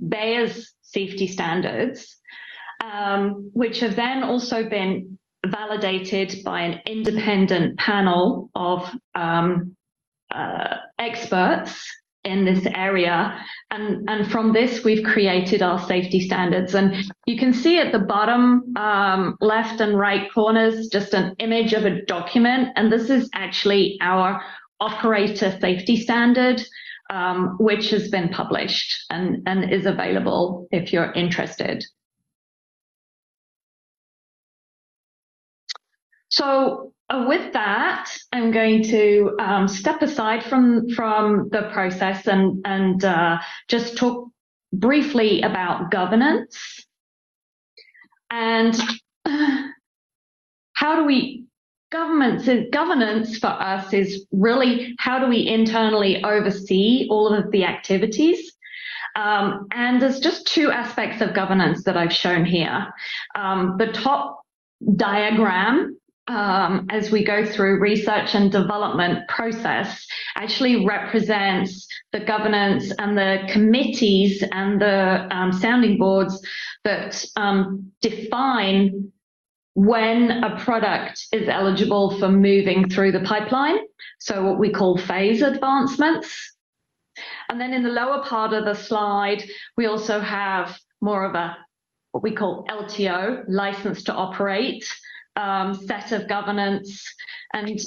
Bayer's safety standards, which have then also been validated by an independent panel of experts in this area, and from this, we've created our safety standards. And you can see at the bottom, left and right corners, just an image of a document, and this is actually our operator safety standard, which has been published and is available if you're interested. So with that, I'm going to step aside from the process and just talk briefly about governance. And, how do we governance and governance for us is really how do we internally oversee all of the activities? And there's just two aspects of governance that I've shown here. The top diagram, as we go through research and development process, actually represents the governance and the committees and the sounding boards that define when a product is eligible for moving through the pipeline, so what we call phase advancements. And then in the lower part of the slide, we also have more of a, what we call LTO, License to Operate, set of governance. And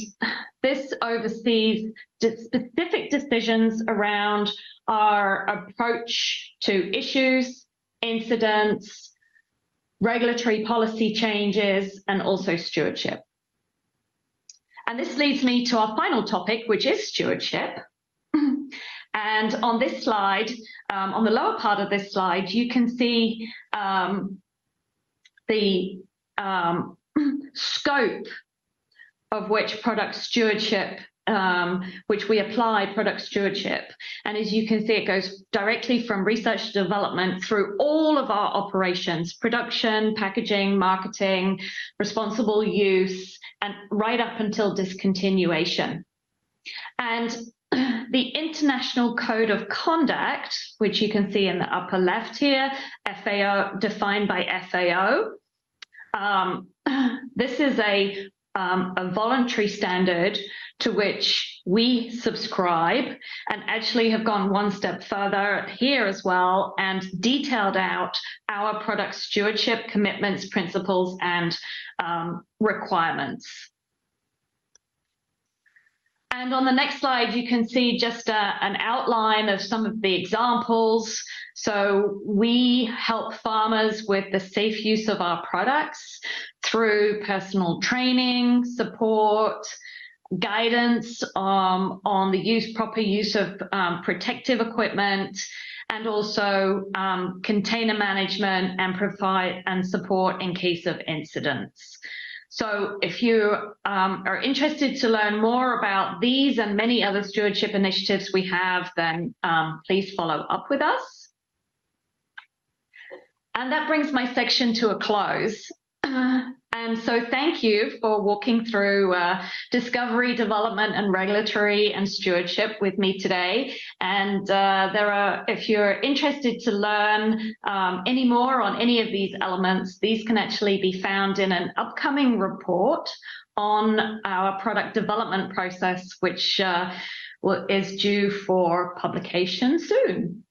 this oversees the specific decisions around our approach to issues, incidents, regulatory policy changes, and also stewardship. And this leads me to our final topic, which is stewardship. On this slide, on the lower part of this slide, you can see the scope of which product stewardship, which we apply product stewardship. As you can see, it goes directly from research development through all of our operations, production, packaging, marketing, responsible use, and right up until discontinuation. The international code of conduct, which you can see in the upper left here, FAO, defined by FAO. This is a voluntary standard to which we subscribe and actually have gone one step further here as well and detailed out our product stewardship, commitments, principles, and requirements. On the next slide, you can see just an outline of some of the examples. So we help farmers with the safe use of our products through personal training, support, guidance, on the use, proper use of, protective equipment, and also, container management, and provide and support in case of incidents. So if you are interested to learn more about these and many other stewardship initiatives we have, then please follow up with us. And that brings my section to a close. And so thank you for walking through, discovery, development, and regulatory, and stewardship with me today. And there are—if you're interested to learn any more on any of these elements, these can actually be found in an upcoming report on our product development process, which, well, is due for publication soon.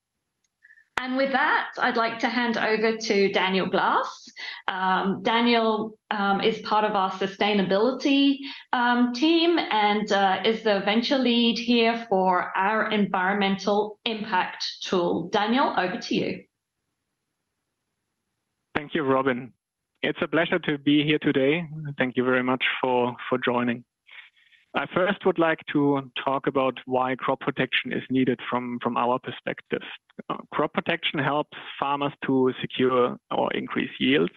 And with that, I'd like to hand over to Daniel Glas.Daniel is part of our sustainability team and is the venture lead here for our environmental impact tool. Daniel, over to you. Thank you, Robyn. It's a pleasure to be here today. Thank you very much for joining. I first would like to talk about why crop protection is needed from our perspective. Crop protection helps farmers to secure or increase yields,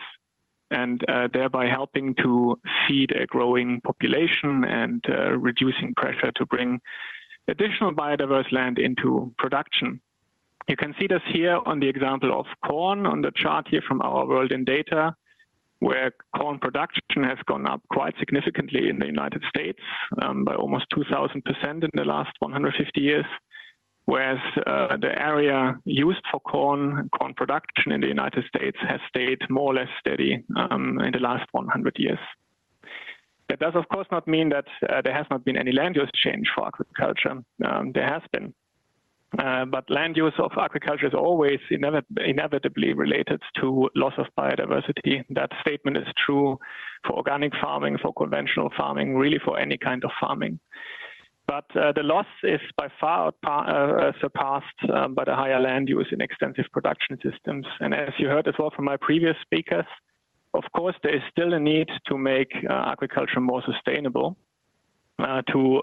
and thereby helping to feed a growing population and reducing pressure to bring additional biodiverse land into production. You can see this here on the example of corn on the chart here from Our World in Data, where corn production has gone up quite significantly in the United States by almost 2,000% in the last 150 years, whereas the area used for corn production in the United States has stayed more or less steady in the last 100 years. That does, of course, not mean that there has not been any land use change for agriculture. There has been. But land use of agriculture is always inevitably related to loss of biodiversity. That statement is true for organic farming, for conventional farming, really for any kind of farming. But the loss is by far surpassed by the higher land use in extensive production systems. And as you heard as well from my previous speakers, of course, there is still a need to make agriculture more sustainable, to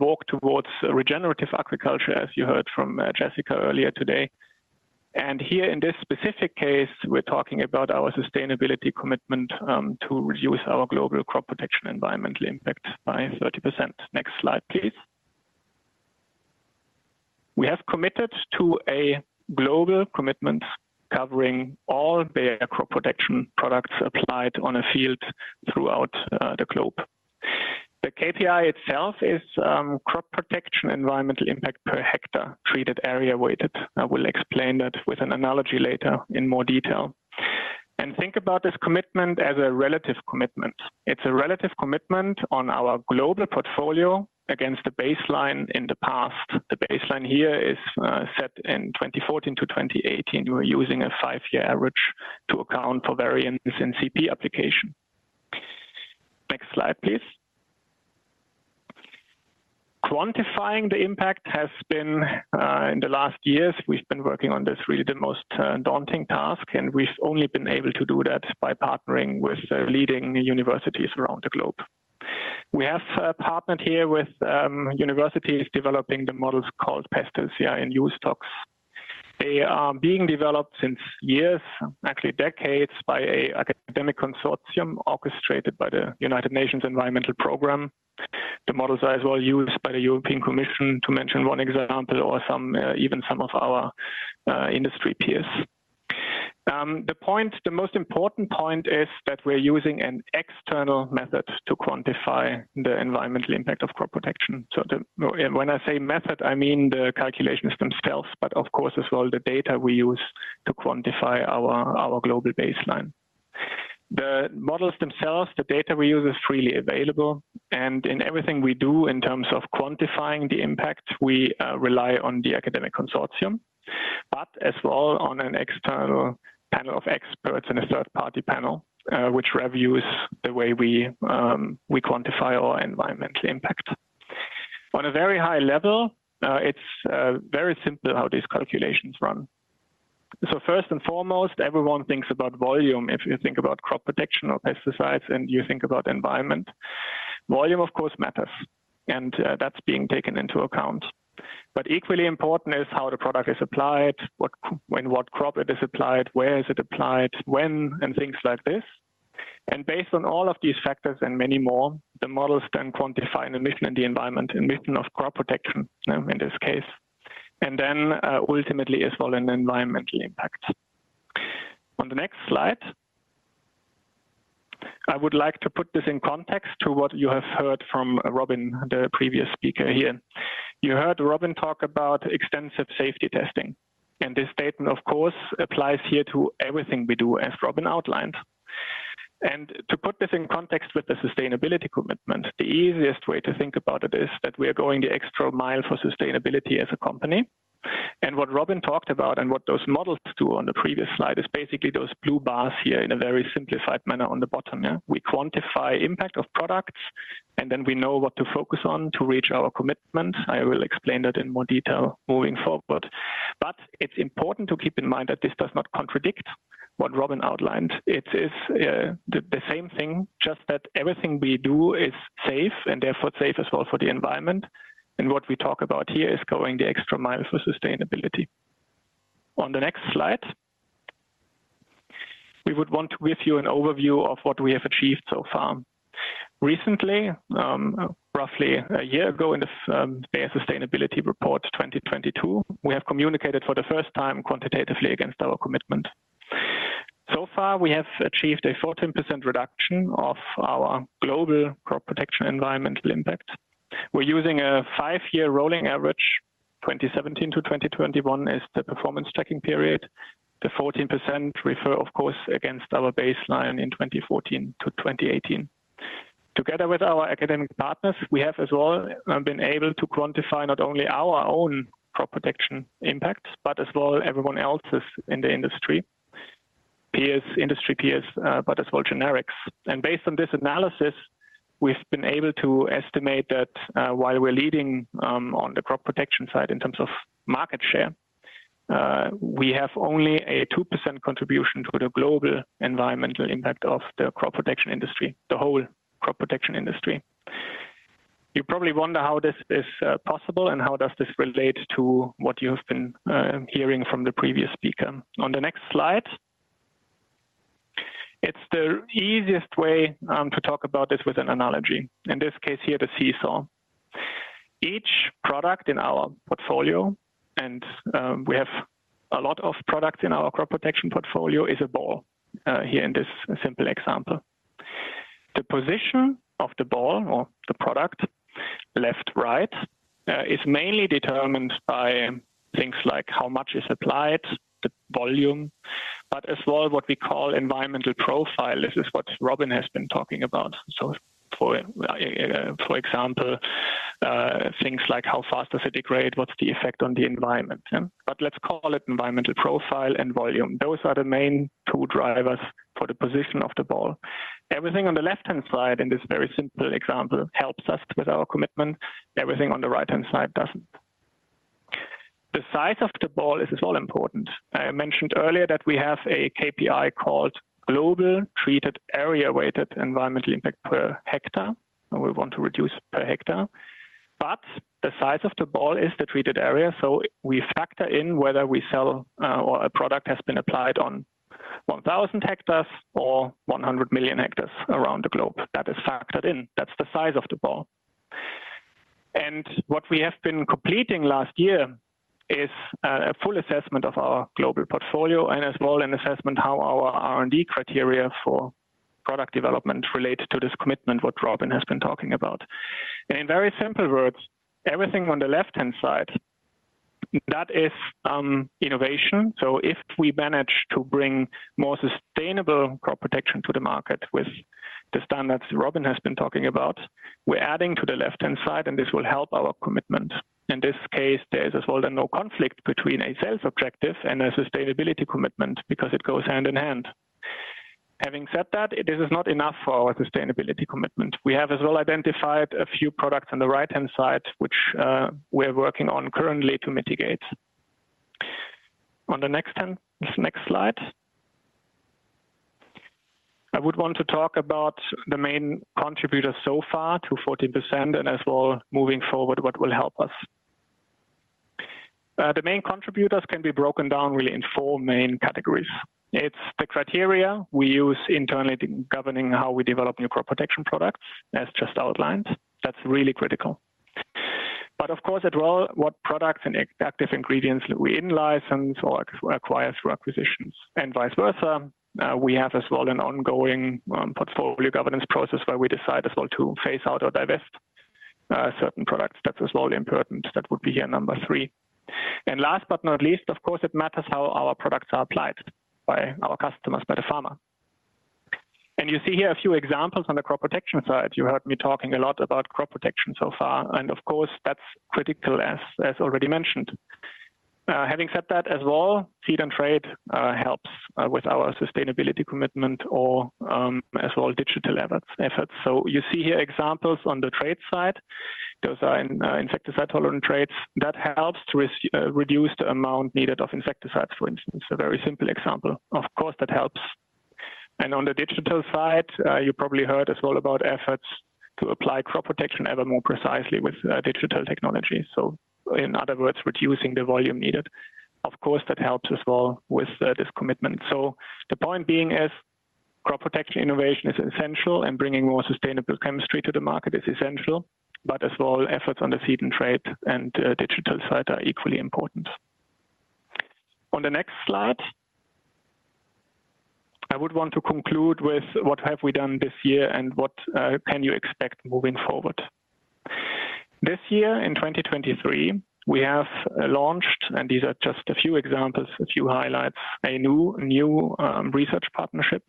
work towards regenerative agriculture, as you heard from Jessica earlier today. And here in this specific case, we're talking about our sustainability commitment to reduce our global crop protection environmental impact by 30%. Next slide, please. We have committed to a global commitment covering all the crop protection products applied on a field throughout the globe. The KPI itself is crop protection environmental impact per hectare, treated area weighted. I will explain that with an analogy later in more detail. Think about this commitment as a relative commitment. It's a relative commitment on our global portfolio against the baseline in the past. The baseline here is set in 2014 to 2018. We're using a five-year average to account for variance in CP application. Next slide, please. Quantifying the impact has been, in the last years, we've been working on this, really the most daunting task, and we've only been able to do that by partnering with leading universities around the globe. We have partnered here with universities developing the models called PestLCI and USEtox. They are being developed since years, actually decades, by an academic consortium orchestrated by the United Nations Environment Programme. The models are as well used by the European Commission, to mention one example, or some, even some of our industry peers. The point, the most important point is that we're using an external method to quantify the environmental impact of crop protection. So the, when I say method, I mean the calculations themselves, but of course, as well, the data we use to quantify our, our global baseline. The models themselves, the data we use, is freely available, and in everything we do in terms of quantifying the impact, we, rely on the academic consortium, but as well on an external panel of experts and a third-party panel, which reviews the way we, we quantify our environmental impact. On a very high level, it's very simple how these calculations run. So first and foremost, everyone thinks about volume. If you think about crop protection or pesticides, and you think about environment, volume, of course, matters, and that's being taken into account. But equally important is how the product is applied, in what crop it is applied, where is it applied, when, and things like this. And based on all of these factors and many more, the models then quantify emission in the environment, emission of crop protection, in this case, and then ultimately, as well, an environmental impact. On the next slide, I would like to put this in context to what you have heard from Robyn, the previous speaker here. You heard Robyn talk about extensive safety testing, and this statement, of course, applies here to everything we do, as Robyn outlined. And to put this in context with the sustainability commitment, the easiest way to think about it is that we are going the extra mile for sustainability as a company. And what Robyn talked about and what those models do on the previous slide is basically those blue bars here in a very simplified manner on the bottom, yeah? We quantify impact of products, and then we know what to focus on to reach our commitment. I will explain that in more detail moving forward. But it's important to keep in mind that this does not contradict what Robyn outlined. It is the same thing, just that everything we do is safe and therefore safe as well for the environment, and what we talk about here is going the extra mile for sustainability. On the next slide, we would want to give you an overview of what we have achieved so far. Recently, roughly a year ago, in the Bayer Sustainability Report 2022, we have communicated for the first time quantitatively against our commitment. So far, we have achieved a 14% reduction of our global crop protection environmental impact. We're using a five-year rolling average, 2017-2021 is the performance tracking period. The 14% refer, of course, against our baseline in 2014-2018. Together with our academic partners, we have as well been able to quantify not only our own crop protection impact, but as well everyone else's in the industry. Peers, industry peers, but as well, generics. Based on this analysis, we've been able to estimate that, while we're leading, on the crop protection side in terms of market share, we have only a 2% contribution to the global environmental impact of the crop protection industry, the whole crop protection industry. You probably wonder how this is possible and how does this relate to what you have been hearing from the previous speaker. On the next slide, it's the easiest way to talk about this with an analogy, in this case here, the seesaw. Each product in our portfolio, and we have a lot of products in our crop protection portfolio, is a ball here in this simple example. The position of the ball or the product, left, right, is mainly determined by things like how much is applied, the volume, but as well, what we call environmental profile. This is what Robyn has been talking about. So for example, things like how fast does it degrade? What's the effect on the environment? Yeah. But let's call it environmental profile and volume. Those are the main two drivers for the position of the ball. Everything on the left-hand side in this very simple example helps us with our commitment. Everything on the right-hand side doesn't. The size of the ball is as well important. I mentioned earlier that we have a KPI called Global Treated Area Weighted Environmental Impact per hectare, and we want to reduce per hectare. But the size of the ball is the treated area, so we factor in whether we sell or a product has been applied on 1,000 hectares or 100 million hectares around the globe. That is factored in. That's the size of the ball. And what we have been completing last year is a full assessment of our global portfolio and as well, an assessment how our R&D criteria for product development relates to this commitment, what Robyn has been talking about. In very simple words, everything on the left-hand side, that is, innovation. So if we manage to bring more sustainable crop protection to the market with the standards Robyn has been talking about, we're adding to the left-hand side, and this will help our commitment. In this case, there is as well then no conflict between a sales objective and a sustainability commitment because it goes hand in hand. Having said that, it is not enough for our sustainability commitment. We have as well identified a few products on the right-hand side, which we're working on currently to mitigate. On the next one, this next slide. I would want to talk about the main contributors so far to 40%, and as well, moving forward, what will help us. The main contributors can be broken down really in four main categories. It's the criteria we use internally to governing how we develop new crop protection products, as just outlined. That's really critical. But of course, as well, what products and active ingredients we in-license or acquire through acquisitions and vice versa. We have as well an ongoing portfolio governance process where we decide as well to phase out or divest certain products. That is all important. That would be here number three. And last but not least, of course, it matters how our products are applied by our customers, by the farmer. And you see here a few examples on the crop protection side. You heard me talking a lot about crop protection so far, and of course, that's critical, as already mentioned. Having said that, as well, seed and trait helps with our sustainability commitment or, as well, digital efforts. So you see here examples on the trait side. Those are insecticide-tolerant traits. That helps to reduce the amount needed of insecticides, for instance, a very simple example. Of course, that helps. And on the digital side, you probably heard as well about efforts to apply crop protection ever more precisely with digital technology, so in other words, reducing the volume needed. Of course, that helps as well with this commitment. So the point being is, crop protection innovation is essential, and bringing more sustainable chemistry to the market is essential, but as well, efforts on the seed and trait and digital side are equally important. On the next slide, I would want to conclude with what have we done this year and what can you expect moving forward? This year, in 2023, we have launched, and these are just a few examples, a few highlights, a new research partnership,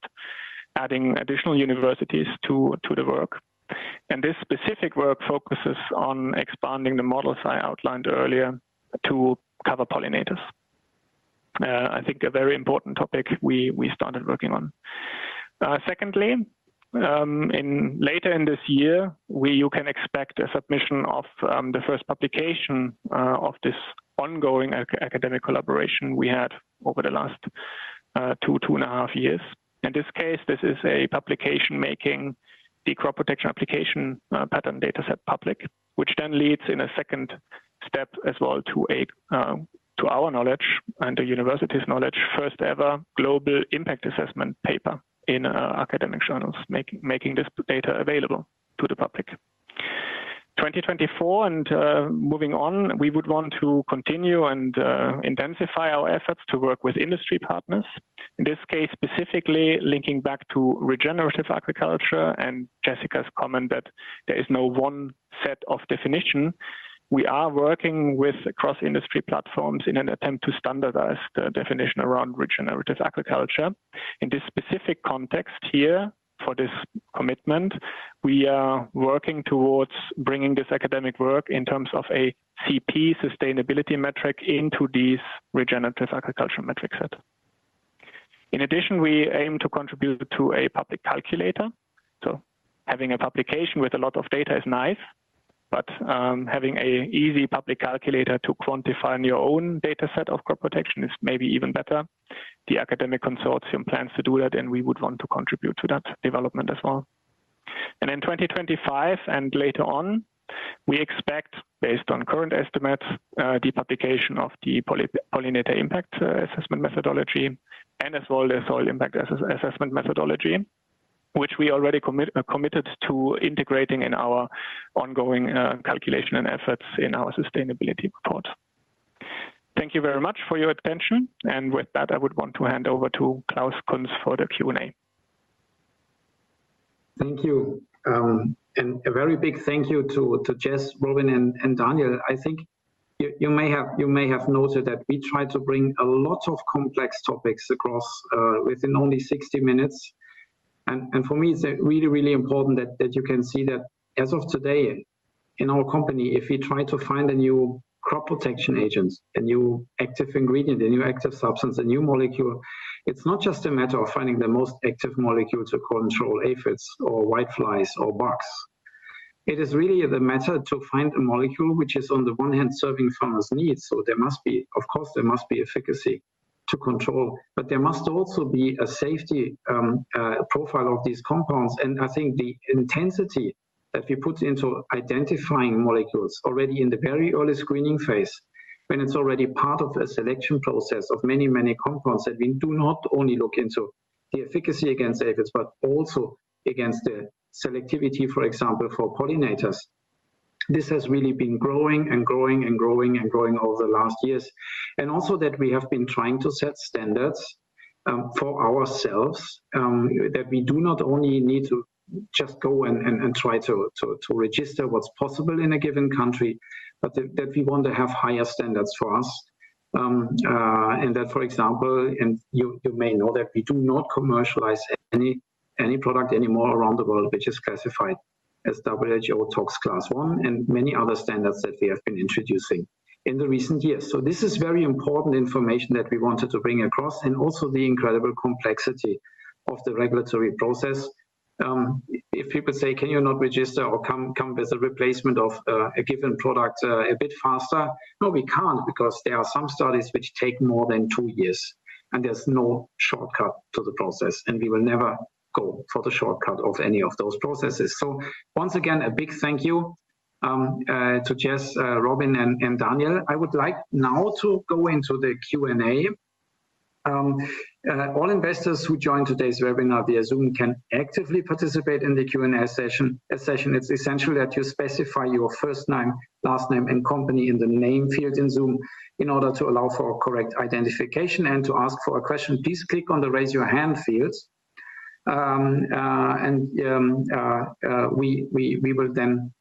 adding additional universities to the work. And this specific work focuses on expanding the models I outlined earlier to cover pollinators. I think a very important topic we started working on. Secondly, later in this year, we—you can expect a submission of the first publication of this ongoing academic collaboration we had over the last 2.5 years. In this case, this is a publication making the crop protection application pattern dataset public, which then leads in a second step as well to our knowledge, and the university's knowledge, first ever global impact assessment paper in academic journals, making this data available to the public. 2024 and, moving on, we would want to continue and, intensify our efforts to work with industry partners. In this case, specifically linking back to regenerative agriculture and Jessica's comment that there is no one set of definition. We are working with cross-industry platforms in an attempt to standardize the definition around regenerative agriculture. In this specific context here, for this commitment, we are working towards bringing this academic work in terms of a CP sustainability metric into these regenerative agriculture metric set. In addition, we aim to contribute to a public calculator. So having a publication with a lot of data is nice, but, having a easy public calculator to quantify your own data set of crop protection is maybe even better. The academic consortium plans to do that, and we would want to contribute to that development as well. In 2025 and later on, we expect, based on current estimates, the publication of the pollinator impact assessment methodology and as well the soil impact assessment methodology, which we already committed to integrating in our ongoing calculation and efforts in our sustainability report. Thank you very much for your attention, and with that, I would want to hand over to Klaus Kunz for the Q&A. Thank you. And a very big thank you to Jess, Robyn, and Daniel. I think you may have noted that we tried to bring a lot of complex topics across within only 60 minutes. And for me, it's really, really important that you can see that as of today, in our company, if we try to find a new crop protection agent, a new active ingredient, a new active substance, a new molecule, it's not just a matter of finding the most active molecule to control aphids or whiteflies or bugs. It is really the matter to find a molecule which is on the one hand, serving farmers' needs. So there must be of course, there must be efficacy to control, but there must also be a safety profile of these compounds. I think the intensity that we put into identifying molecules already in the very early screening phase, when it's already part of a selection process of many, many compounds, that we do not only look into the efficacy against aphids, but also against the selectivity, for example, for pollinators. This has really been growing and growing and growing and growing over the last years. And also that we have been trying to set standards for ourselves, that we do not only need to just go and try to register what's possible in a given country, but that we want to have higher standards for us. And that, for example, and you, you may know that we do not commercialize any, any product anymore around the world, which is classified as WHO Toxicity Class I and many other standards that we have been introducing in the recent years. So this is very important information that we wanted to bring across, and also the incredible complexity of the regulatory process, if people say, "Can you not register or come, come with a replacement of, a given product, a bit faster?" No, we can't, because there are some studies which take more than two years, and there's no shortcut to the process, and we will never go for the shortcut of any of those processes. So once again, a big thank you, to Jess, Robyn, and Daniel. I would like now to go into the Q&A. All investors who joined today's webinar via Zoom can actively participate in the Q&A session, session. It's essential that you specify your first name, last name, and company in the name field in Zoom in order to allow for correct identification. To ask for a question, please click on the Raise Your Hand fields. And we will then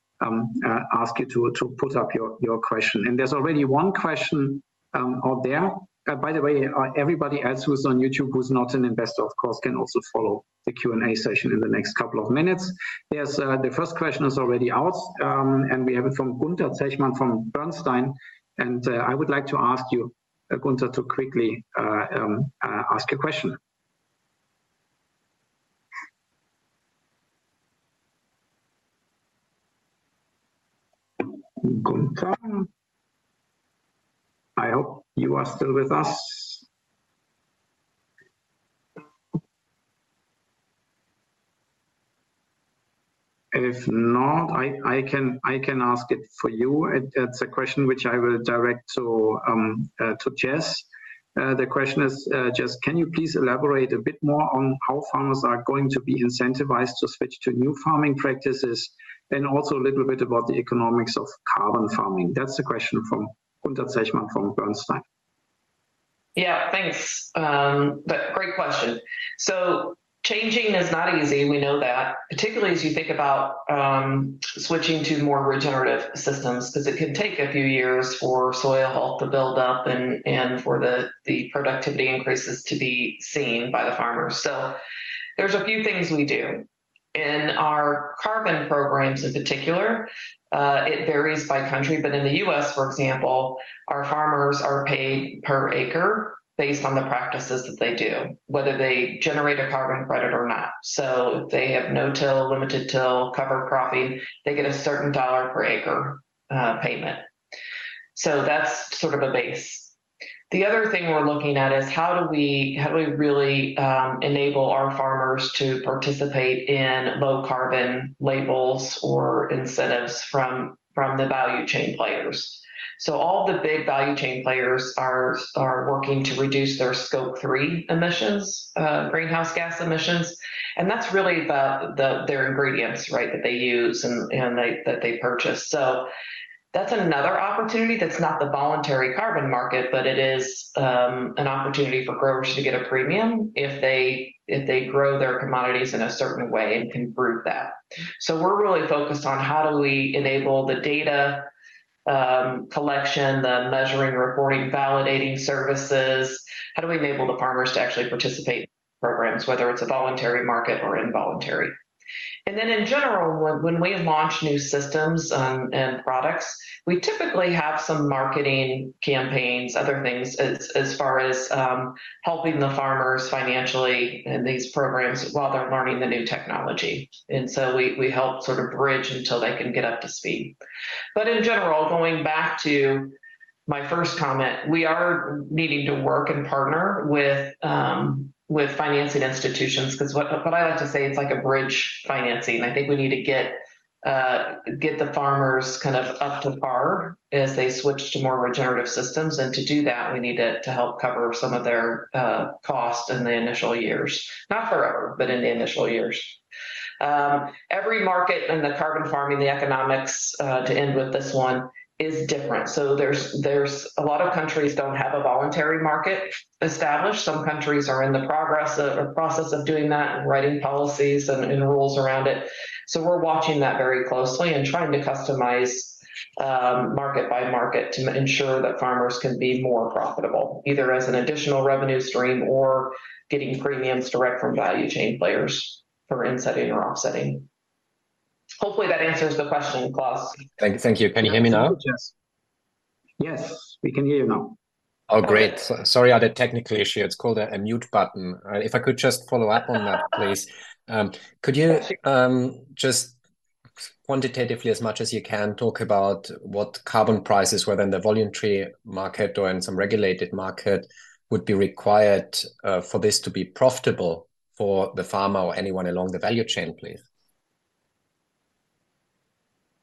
ask you to put up your question. And there's already one question out there. By the way, everybody else who's on YouTube who's not an investor, of course, can also follow the Q&A session in the next couple of minutes. There's the first question is already out, and we have it from Gunther Zechmann from AB Bernstein. I would like to ask you, Gunther, to quickly ask a question. Gunther, I hope you are still with us. If not, I can ask it for you. It's a question which I will direct to Jess. The question is, Jess, can you please elaborate a bit more on how farmers are going to be incentivized to switch to new farming practices, and also a little bit about the economics of carbon farming? That's a question from Gunther Zechmann from AB Bernstein. Yeah, thanks. But great question. So changing is not easy, and we know that, particularly as you think about switching to more regenerative systems, 'cause it can take a few years for soil health to build up and for the productivity increases to be seen by the farmers. So there's a few things we do. In our carbon programs in particular, it varies by country, but in the U.S., for example, our farmers are paid per acre based on the practices that they do, whether they generate a carbon credit or not. So if they have no-till, limited-till, cover cropping, they get a certain $ per acre payment. So that's sort of a base. The other thing we're looking at is how do we really enable our farmers to participate in low carbon labels or incentives from the value chain players? So all the big value chain players are working to reduce their Scope 3 emissions, greenhouse gas emissions, and that's really their ingredients, right, that they use and they purchase. So that's another opportunity that's not the voluntary carbon market, but it is an opportunity for growers to get a premium if they grow their commodities in a certain way and can prove that. So we're really focused on how do we enable the data collection, the measuring, reporting, validating services? How do we enable the farmers to actually participate in programs, whether it's a voluntary market or involuntary? And then in general, when we launch new systems and products, we typically have some marketing campaigns, other things, as far as helping the farmers financially in these programs while they're learning the new technology, and so we help sort of bridge until they can get up to speed. But in general, going back to my first comment, we are needing to work and partner with financing institutions, 'cause what I like to say, it's like a bridge financing. I think we need to get the farmers kind of up to par as they switch to more regenerative systems. And to do that, we need to help cover some of their costs in the initial years. Not forever, but in the initial years. Every market in the carbon farming, the economics, to end with this one, is different. So there's a lot of countries don't have a voluntary market established. Some countries are in the progress of or process of doing that and writing policies and rules around it. So we're watching that very closely and trying to customize market by market to ensure that farmers can be more profitable, either as an additional revenue stream or getting premiums direct from value chain players for insetting or offsetting. Hopefully, that answers the question, Klaus. Thank you. Can you hear me now, Jess? Yes, we can hear you now. Oh, great. Sorry, I had a technical issue. It's called a mute button. If I could just follow up on that, please. Could you just quantitatively, as much as you can, talk about what carbon prices, whether in the voluntary market or in some regulated market, would be required for this to be profitable for the farmer or anyone along the value chain, please?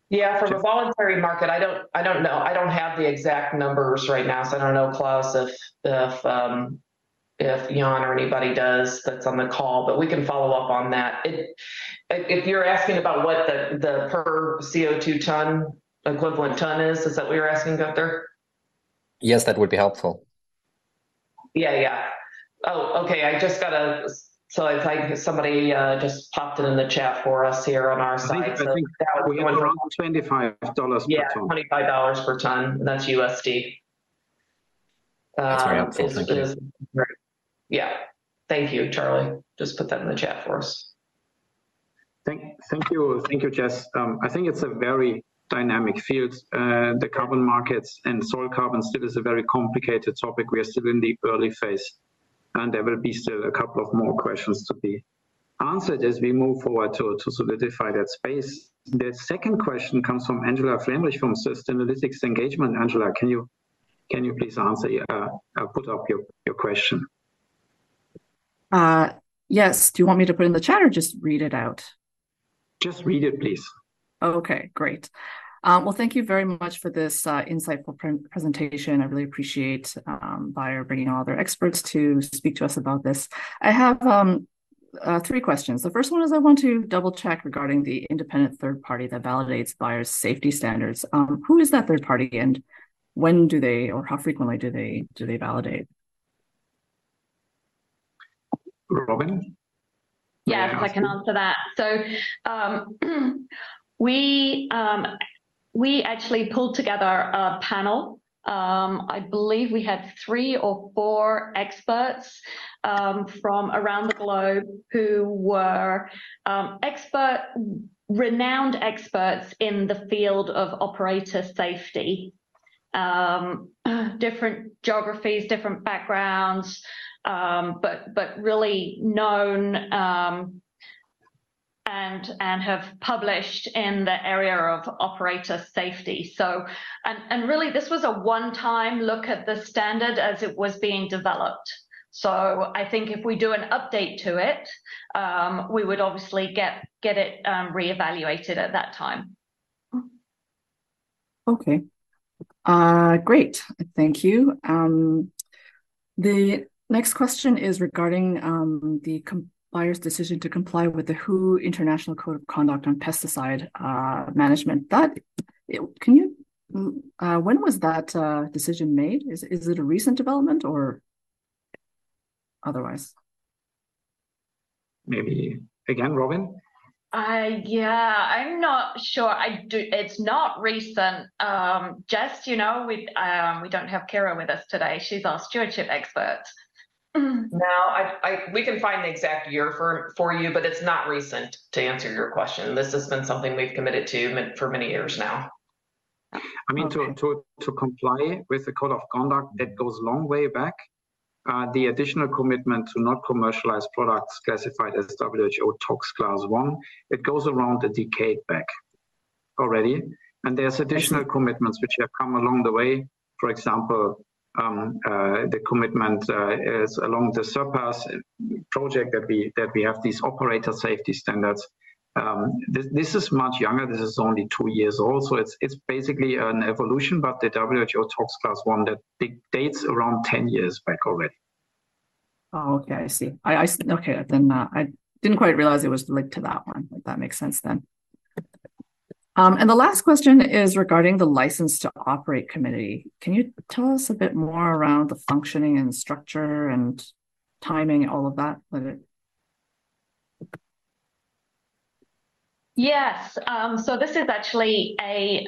Yeah. From a voluntary market, I don't, I don't know. I don't have the exact numbers right now, so I don't know, Klaus, if, if, if you or anybody does that's on the call, but we can follow up on that. It... If, if you're asking about what the, the per CO2 ton, equivalent ton is, is that what you're asking, Gunther? Yes, that would be helpful. Yeah, yeah. Oh, okay, I just got a... So it's like somebody just popped it in the chat for us here on our side. So that one- I think we were around $25 per ton. Yeah, $25 per ton, that's USD. So it is- That's very helpful. Thank you. Yeah. Thank you, Charlie. Just put that in the chat for us.... Thank you. Thank you, Jess. I think it's a very dynamic field. The carbon markets and soil carbon still is a very complicated topic. We are still in the early phase, and there will be still a couple of more questions to be answered as we move forward to solidify that space. The second question comes from Angela Flaemrich from Sustainalytics Engagement. Angela, can you please answer or put up your question? Yes. Do you want me to put it in the chat or just read it out? Just read it, please. Okay, great. Well, thank you very much for this insightful pre-presentation. I really appreciate Bayer bringing all their experts to speak to us about this. I have three questions. The first one is I want to double-check regarding the independent third party that validates Bayer's safety standards. Who is that third party, and when do they or how frequently do they validate? Robyn? Yes, I can answer that. So, we actually pulled together a panel. I believe we had three or four experts from around the globe who were renowned experts in the field of operator safety. Different geographies, different backgrounds, but really known and have published in the area of operator safety. So, really, this was a one-time look at the standard as it was being developed. So I think if we do an update to it, we would obviously get it reevaluated at that time. Okay. Great. Thank you. The next question is regarding Bayer's decision to comply with the WHO International Code of Conduct on Pesticide Management. That, can you... When was that decision made? Is it a recent development or otherwise? Maybe again, Robyn? Yeah. I'm not sure. I do. It's not recent. Jess, you know, we don't have Cara with us today. She's our stewardship expert. No, we can find the exact year for you, but it's not recent, to answer your question. This has been something we've committed to for many years now. Okay. I mean, to comply with the code of conduct, it goes a long way back. The additional commitment to not commercialize products classified as WHO Tox Class I, it goes around a decade back already, and there's additional commitments which have come along the way. For example, the commitment is along the SURPASS project that we have these operator safety standards. This is much younger. This is only 2 years old, so it's basically an evolution, but the WHO Tox Class I, that dates around 10 years back already. Oh, okay, I see. Okay, then, I didn't quite realize it was linked to that one. That makes sense then. And the last question is regarding the License to Operate Committee. Can you tell us a bit more around the functioning and structure and timing, all of that with it? Yes. So this is actually a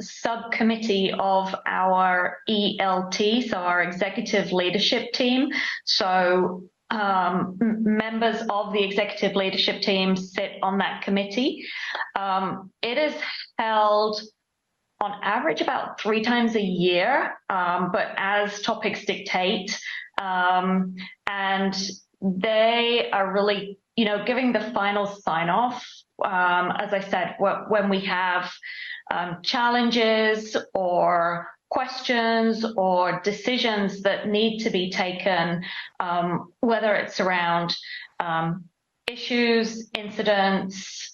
subcommittee of our ELT, so our executive leadership team. So, members of the executive leadership team sit on that committee. It is held on average about three times a year, but as topics dictate. And they are really, you know, giving the final sign-off, as I said, when we have challenges or questions or decisions that need to be taken, whether it's around issues, incidents,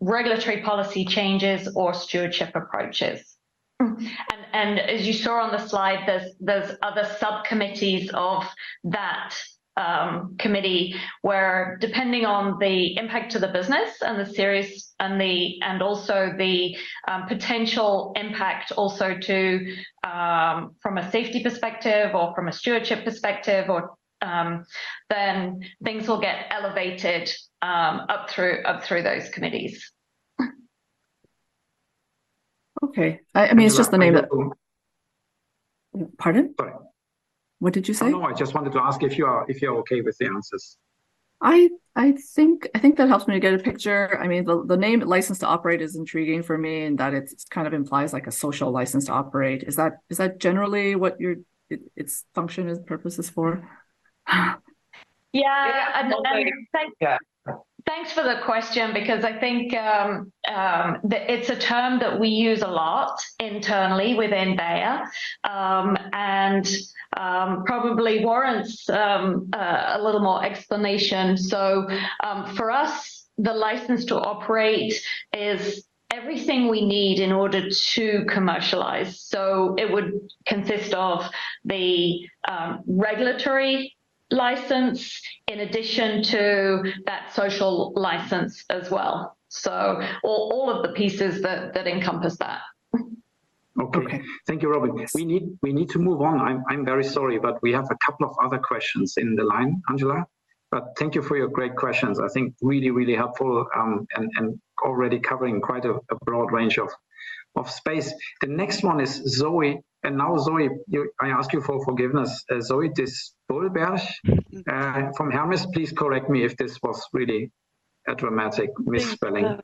regulatory policy changes, or stewardship approaches. And as you saw on the slide, there's other subcommittees of that committee, where depending on the impact to the business and the serious, and also the potential impact also to, from a safety perspective or from a stewardship perspective, or, then things will get elevated up through those committees. Okay. I mean, it's just the name that-... Pardon? Sorry. What did you say? No, I just wanted to ask if you are, if you are okay with the answers. I think that helps me to get a picture. I mean, the name License to Operate is intriguing for me, and that it's kind of implies like a social license to operate. Is that generally what your, its function and purpose is for? Uh, yeah. Yeah. Thanks for the question, because I think, the—it's a term that we use a lot internally within Bayer, and, probably warrants, a little more explanation. So, for us, the license to operate is everything we need in order to commercialize. So it would consist of the, regulatory license, in addition to that social license as well. So all, all of the pieces that, that encompass that. Okay. Okay. Thank you, Robyn. Yes. We need, we need to move on. I'm, I'm very sorry, but we have a couple of other questions in the line, Angela, but thank you for your great questions. I think really, really helpful, and already covering quite a broad range of space. The next one is Zoë, and now, Zoë, you—I ask you for forgiveness. Zoë de Spoelberch from Hermes. Please correct me if this was really a dramatic misspelling.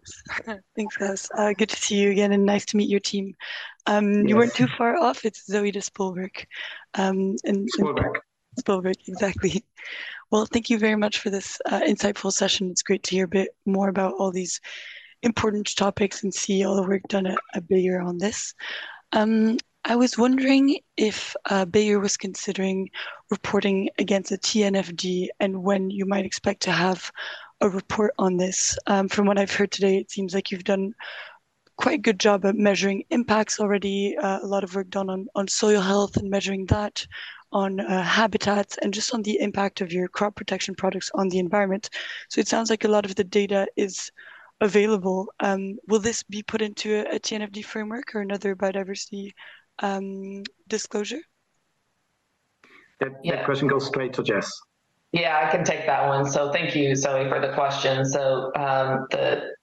Thanks, Klaus. Good to see you again, and nice to meet your team. Yes. You weren't too far off, it's Zoë de Spoelberch. And- Spoelberch. Spilwerck, exactly. Well, thank you very much for this insightful session. It's great to hear a bit more about all these important topics and see all the work done at Bayer on this. I was wondering if Bayer was considering reporting against the TNFD, and when you might expect to have a report on this? From what I've heard today, it seems like you've done quite a good job at measuring impacts already. A lot of work done on soil health and measuring that, on habitats, and just on the impact of your crop protection products on the environment. So it sounds like a lot of the data is available. Will this be put into a TNFD framework or another biodiversity disclosure? That- Yeah. That question goes straight to Jess. Yeah, I can take that one. So thank you, Zoë, for the question. So, the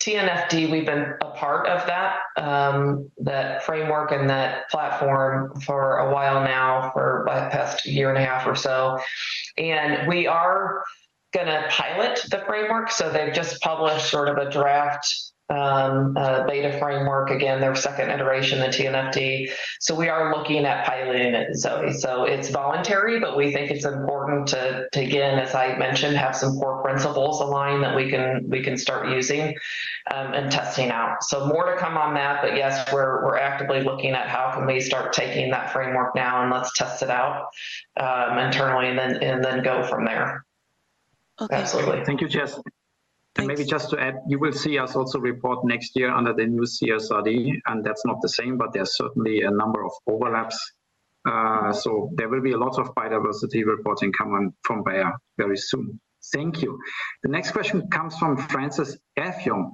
TNFD, we've been a part of that, that framework and that platform for a while now, for about the past year and a half or so. And we are gonna pilot the framework, so they've just published sort of a draft, beta framework, again, their second iteration, the TNFD. So we are looking at piloting it, Zoë. So it's voluntary, but we think it's important to, to, again, as I mentioned, have some core principles aligned that we can, we can start using, and testing out. So more to come on that, but yes, we're, we're actively looking at how can we start taking that framework now, and let's test it out, internally, and then, and then go from there. Okay. Absolutely. Thank you, Jess. Thanks. Maybe just to add, you will see us also report next year under the new CSRD, and that's not the same, but there are certainly a number of overlaps. So there will be a lot of biodiversity reporting coming from Bayer very soon. Thank you. The next question comes from Francis Effiong.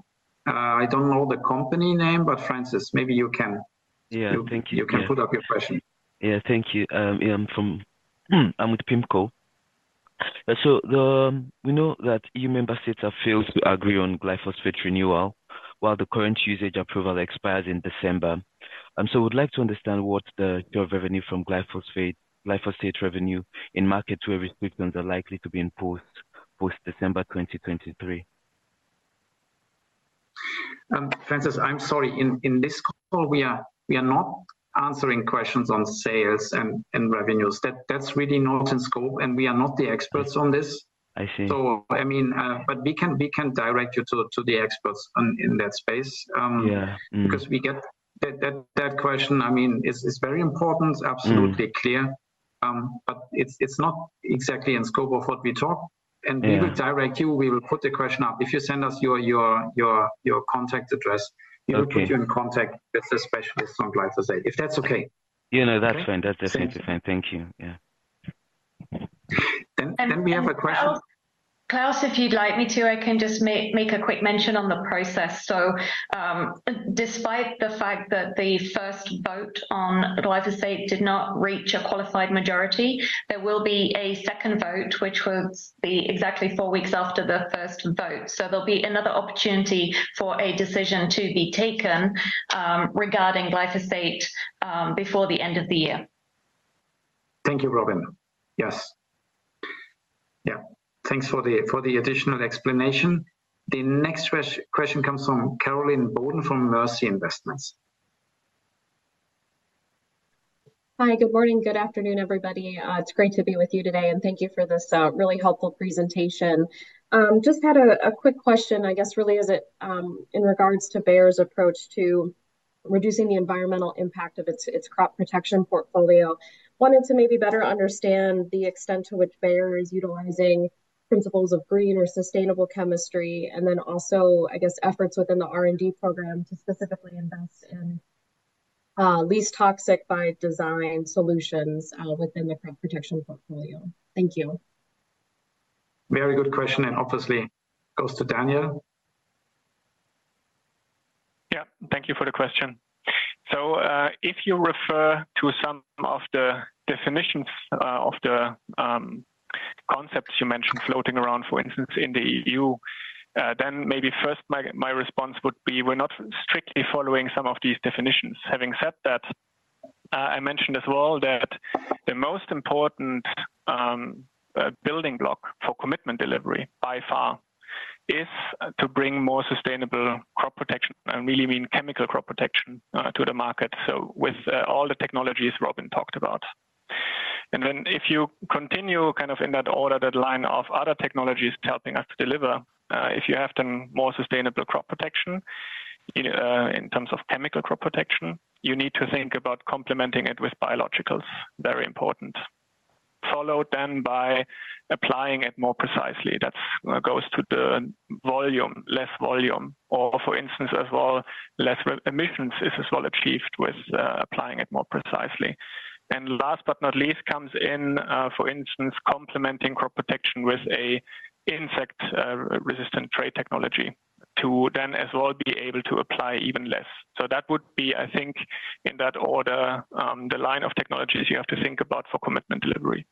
I don't know the company name, but Francis, maybe you can- Yeah, thank you. You, you can put up your question. Yeah, thank you. Yeah, I'm with PIMCO. So, we know that EU member states have failed to agree on glyphosate renewal, while the current usage approval expires in December. And so we'd like to understand what your revenue from glyphosate, glyphosate revenue in markets where restrictions are likely to be imposed post-December 2023. Francis, I'm sorry, in this call, we are not answering questions on sales and revenues. That's really not in scope, and we are not the experts on this. I see. I mean, but we can direct you to the experts in that space. Yeah. Mm-hmm. Because we get that question. I mean, it's very important. Mm. absolutely clear, but it's not exactly in scope of what we talk. Yeah. We will direct you, we will put the question out. If you send us your contact address- Okay. -We will put you in contact with the specialist on Glyphosate, if that's okay? Yeah, no, that's fine. Okay. That's definitely fine. Thank you. Yeah. We have a question- Klaus, if you'd like me to, I can just make a quick mention on the process. So, despite the fact that the first vote on Glyphosate did not reach a qualified majority, there will be a second vote, which will be exactly four weeks after the first vote. So there'll be another opportunity for a decision to be taken, regarding Glyphosate, before the end of the year. Thank you, Robyn. Yes. Yeah, thanks for the additional explanation. The next question comes from Caroline Bolton from Mercy Investment Services. Hi, good morning. Good afternoon, everybody. It's great to be with you today, and thank you for this really helpful presentation. Just had a quick question, I guess, really, is it in regards to Bayer's approach to reducing the environmental impact of its crop protection portfolio? Wanted to maybe better understand the extent to which Bayer is utilizing principles of green or sustainable chemistry, and then also, I guess, efforts within the R&D program to specifically invest in least toxic by design solutions within the crop protection portfolio. Thank you. Very good question, and obviously goes to Daniel. Yeah, thank you for the question. So, if you refer to some of the definitions of the concepts you mentioned floating around, for instance, in the EU, then maybe first my response would be we're not strictly following some of these definitions. Having said that, I mentioned as well that the most important building block for commitment delivery, by far, is to bring more sustainable crop protection, and we mean chemical crop protection, to the market, so with all the technologies Robyn talked about. And then, if you continue kind of in that order, that line of other technologies helping us to deliver, if you have the more sustainable crop protection, in terms of chemical crop protection, you need to think about complementing it with biologicals, very important. Followed then by applying it more precisely. That goes to the volume, less volume, or for instance, as well, less emissions is as well achieved with applying it more precisely. And last but not least, comes in, for instance, complementing crop protection with a insect-resistant trait technology, to then as well be able to apply even less. So that would be, I think, in that order, the line of technologies you have to think about for commitment delivery.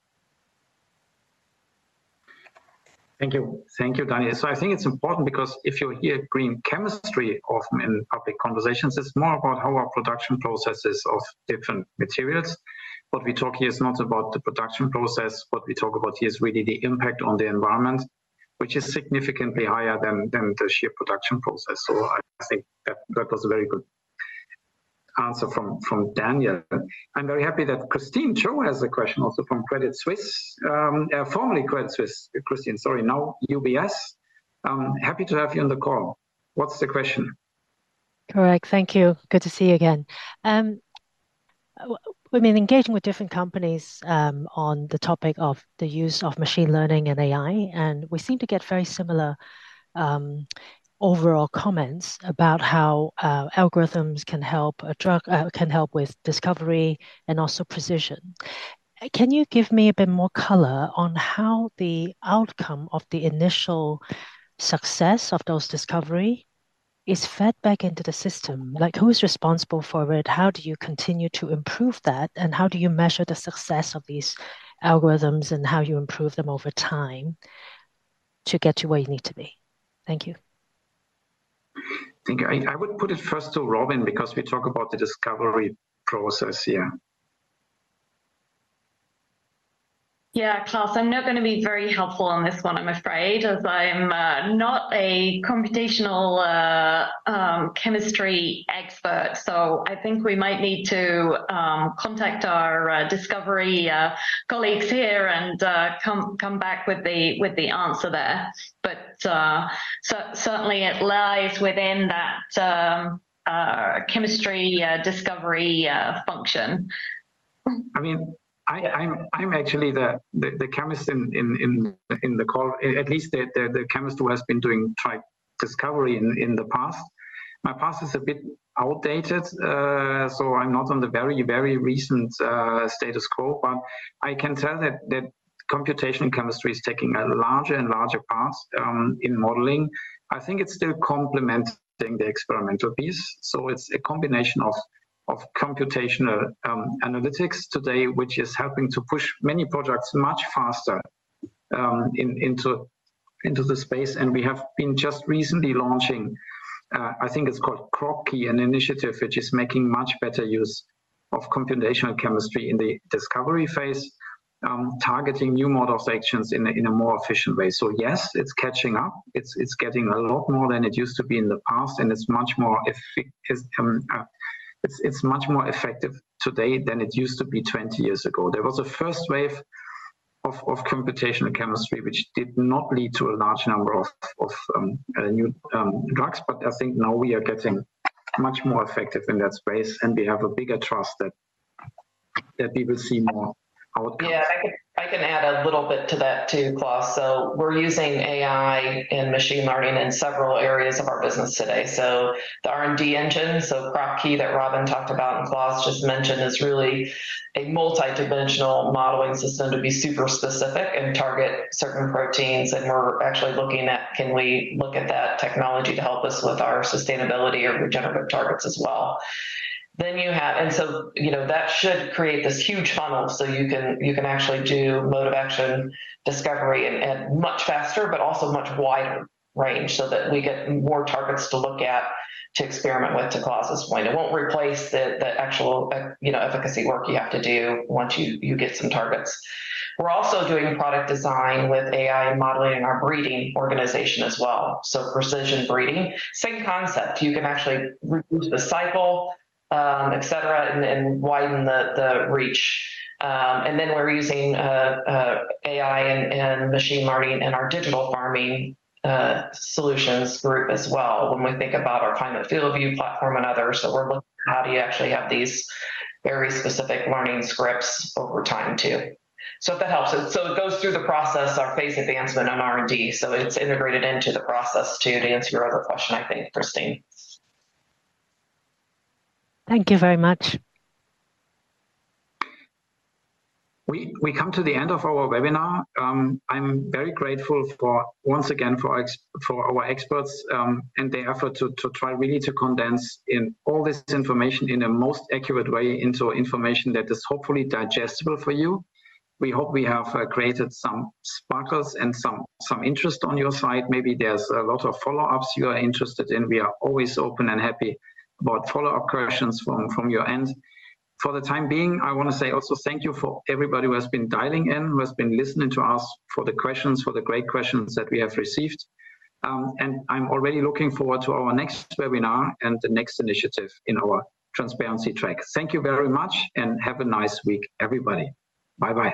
Thank you. Thank you, Daniel. So I think it's important because if you hear green chemistry often in public conversations, it's more about how our production processes of different materials.... what we talk here is not about the production process, what we talk about here is really the impact on the environment, which is significantly higher than, than the sheer production process. So I think that that was a very good answer from, from Daniel. I'm very happy that Christine Chow has a question also from Credit Suisse, formerly Credit Suisse, Christine, sorry, now UBS. I'm happy to have you on the call. What's the question? Correct. Thank you. Good to see you again. We've been engaging with different companies on the topic of the use of machine learning and AI, and we seem to get very similar overall comments about how algorithms can help a drug can help with discovery and also precision. Can you give me a bit more color on how the outcome of the initial success of those discovery is fed back into the system? Like, who's responsible for it? How do you continue to improve that, and how do you measure the success of these algorithms and how you improve them over time to get to where you need to be? Thank you. I think I would put it first to Robyn, because we talk about the discovery process here. Yeah, Klaus, I'm not gonna be very helpful on this one, I'm afraid, as I'm not a computational chemistry expert. So I think we might need to contact our discovery colleagues here and come back with the answer there. But, so certainly it lies within that chemistry discovery function. I mean, I'm actually the chemist in the call, at least the chemist who has been doing type discovery in the past. My past is a bit outdated, so I'm not on the very recent status quo, but I can tell that computational chemistry is taking a larger and larger part in modeling. I think it's still complementing the experimental piece, so it's a combination of computational analytics today, which is helping to push many products much faster into the space. And we have been just recently launching, I think it's called CropKey, an initiative which is making much better use of computational chemistry in the discovery phase, targeting new modes of action in a more efficient way. So yes, it's catching up. It's getting a lot more than it used to be in the past, and it's much more effective today than it used to be 20 years ago. There was a first wave of computational chemistry, which did not lead to a large number of new drugs, but I think now we are getting much more effective in that space, and we have a bigger trust that we will see more outcomes. Yeah, I can, I can add a little bit to that too, Klaus. So we're using AI and machine learning in several areas of our business today. So the R&D engine, so CropKey that Robyn talked about and Klaus just mentioned, is really a multidimensional modeling system to be super specific and target certain proteins, and we're actually looking at can we look at that technology to help us with our sustainability or regenerative targets as well? Then you have. And so, you know, that should create this huge funnel, so you can, you can actually do mode of action discovery and much faster, but also much wider range, so that we get more targets to look at, to experiment with, to Klaus's point. It won't replace the, the actual, you know, efficacy work you have to do once you, you get some targets. We're also doing product design with AI and modeling our breeding organization as well, so precision breeding. Same concept. You can actually reduce the cycle, et cetera, and widen the reach. And then we're using AI and machine learning in our Digital Farming Solutions group as well when we think about our Climate FieldView platform and others. So we're looking how do you actually have these very specific learning scripts over time too. So if that helps, so it goes through the process, our phase advancement on R&D, so it's integrated into the process too, to answer your other question, I think, Christine. Thank you very much. We come to the end of our webinar. I'm very grateful for, once again, for our experts, and the effort to try really to condense all this information in a most accurate way into information that is hopefully digestible for you. We hope we have created some sparkles and some interest on your side. Maybe there's a lot of follow-ups you are interested in. We are always open and happy about follow-up questions from your end. For the time being, I want to say also thank you for everybody who has been dialing in, who has been listening to us, for the questions, for the great questions that we have received. And I'm already looking forward to our next webinar and the next initiative in our transparency track. Thank you very much, and have a nice week, everybody. Bye-bye.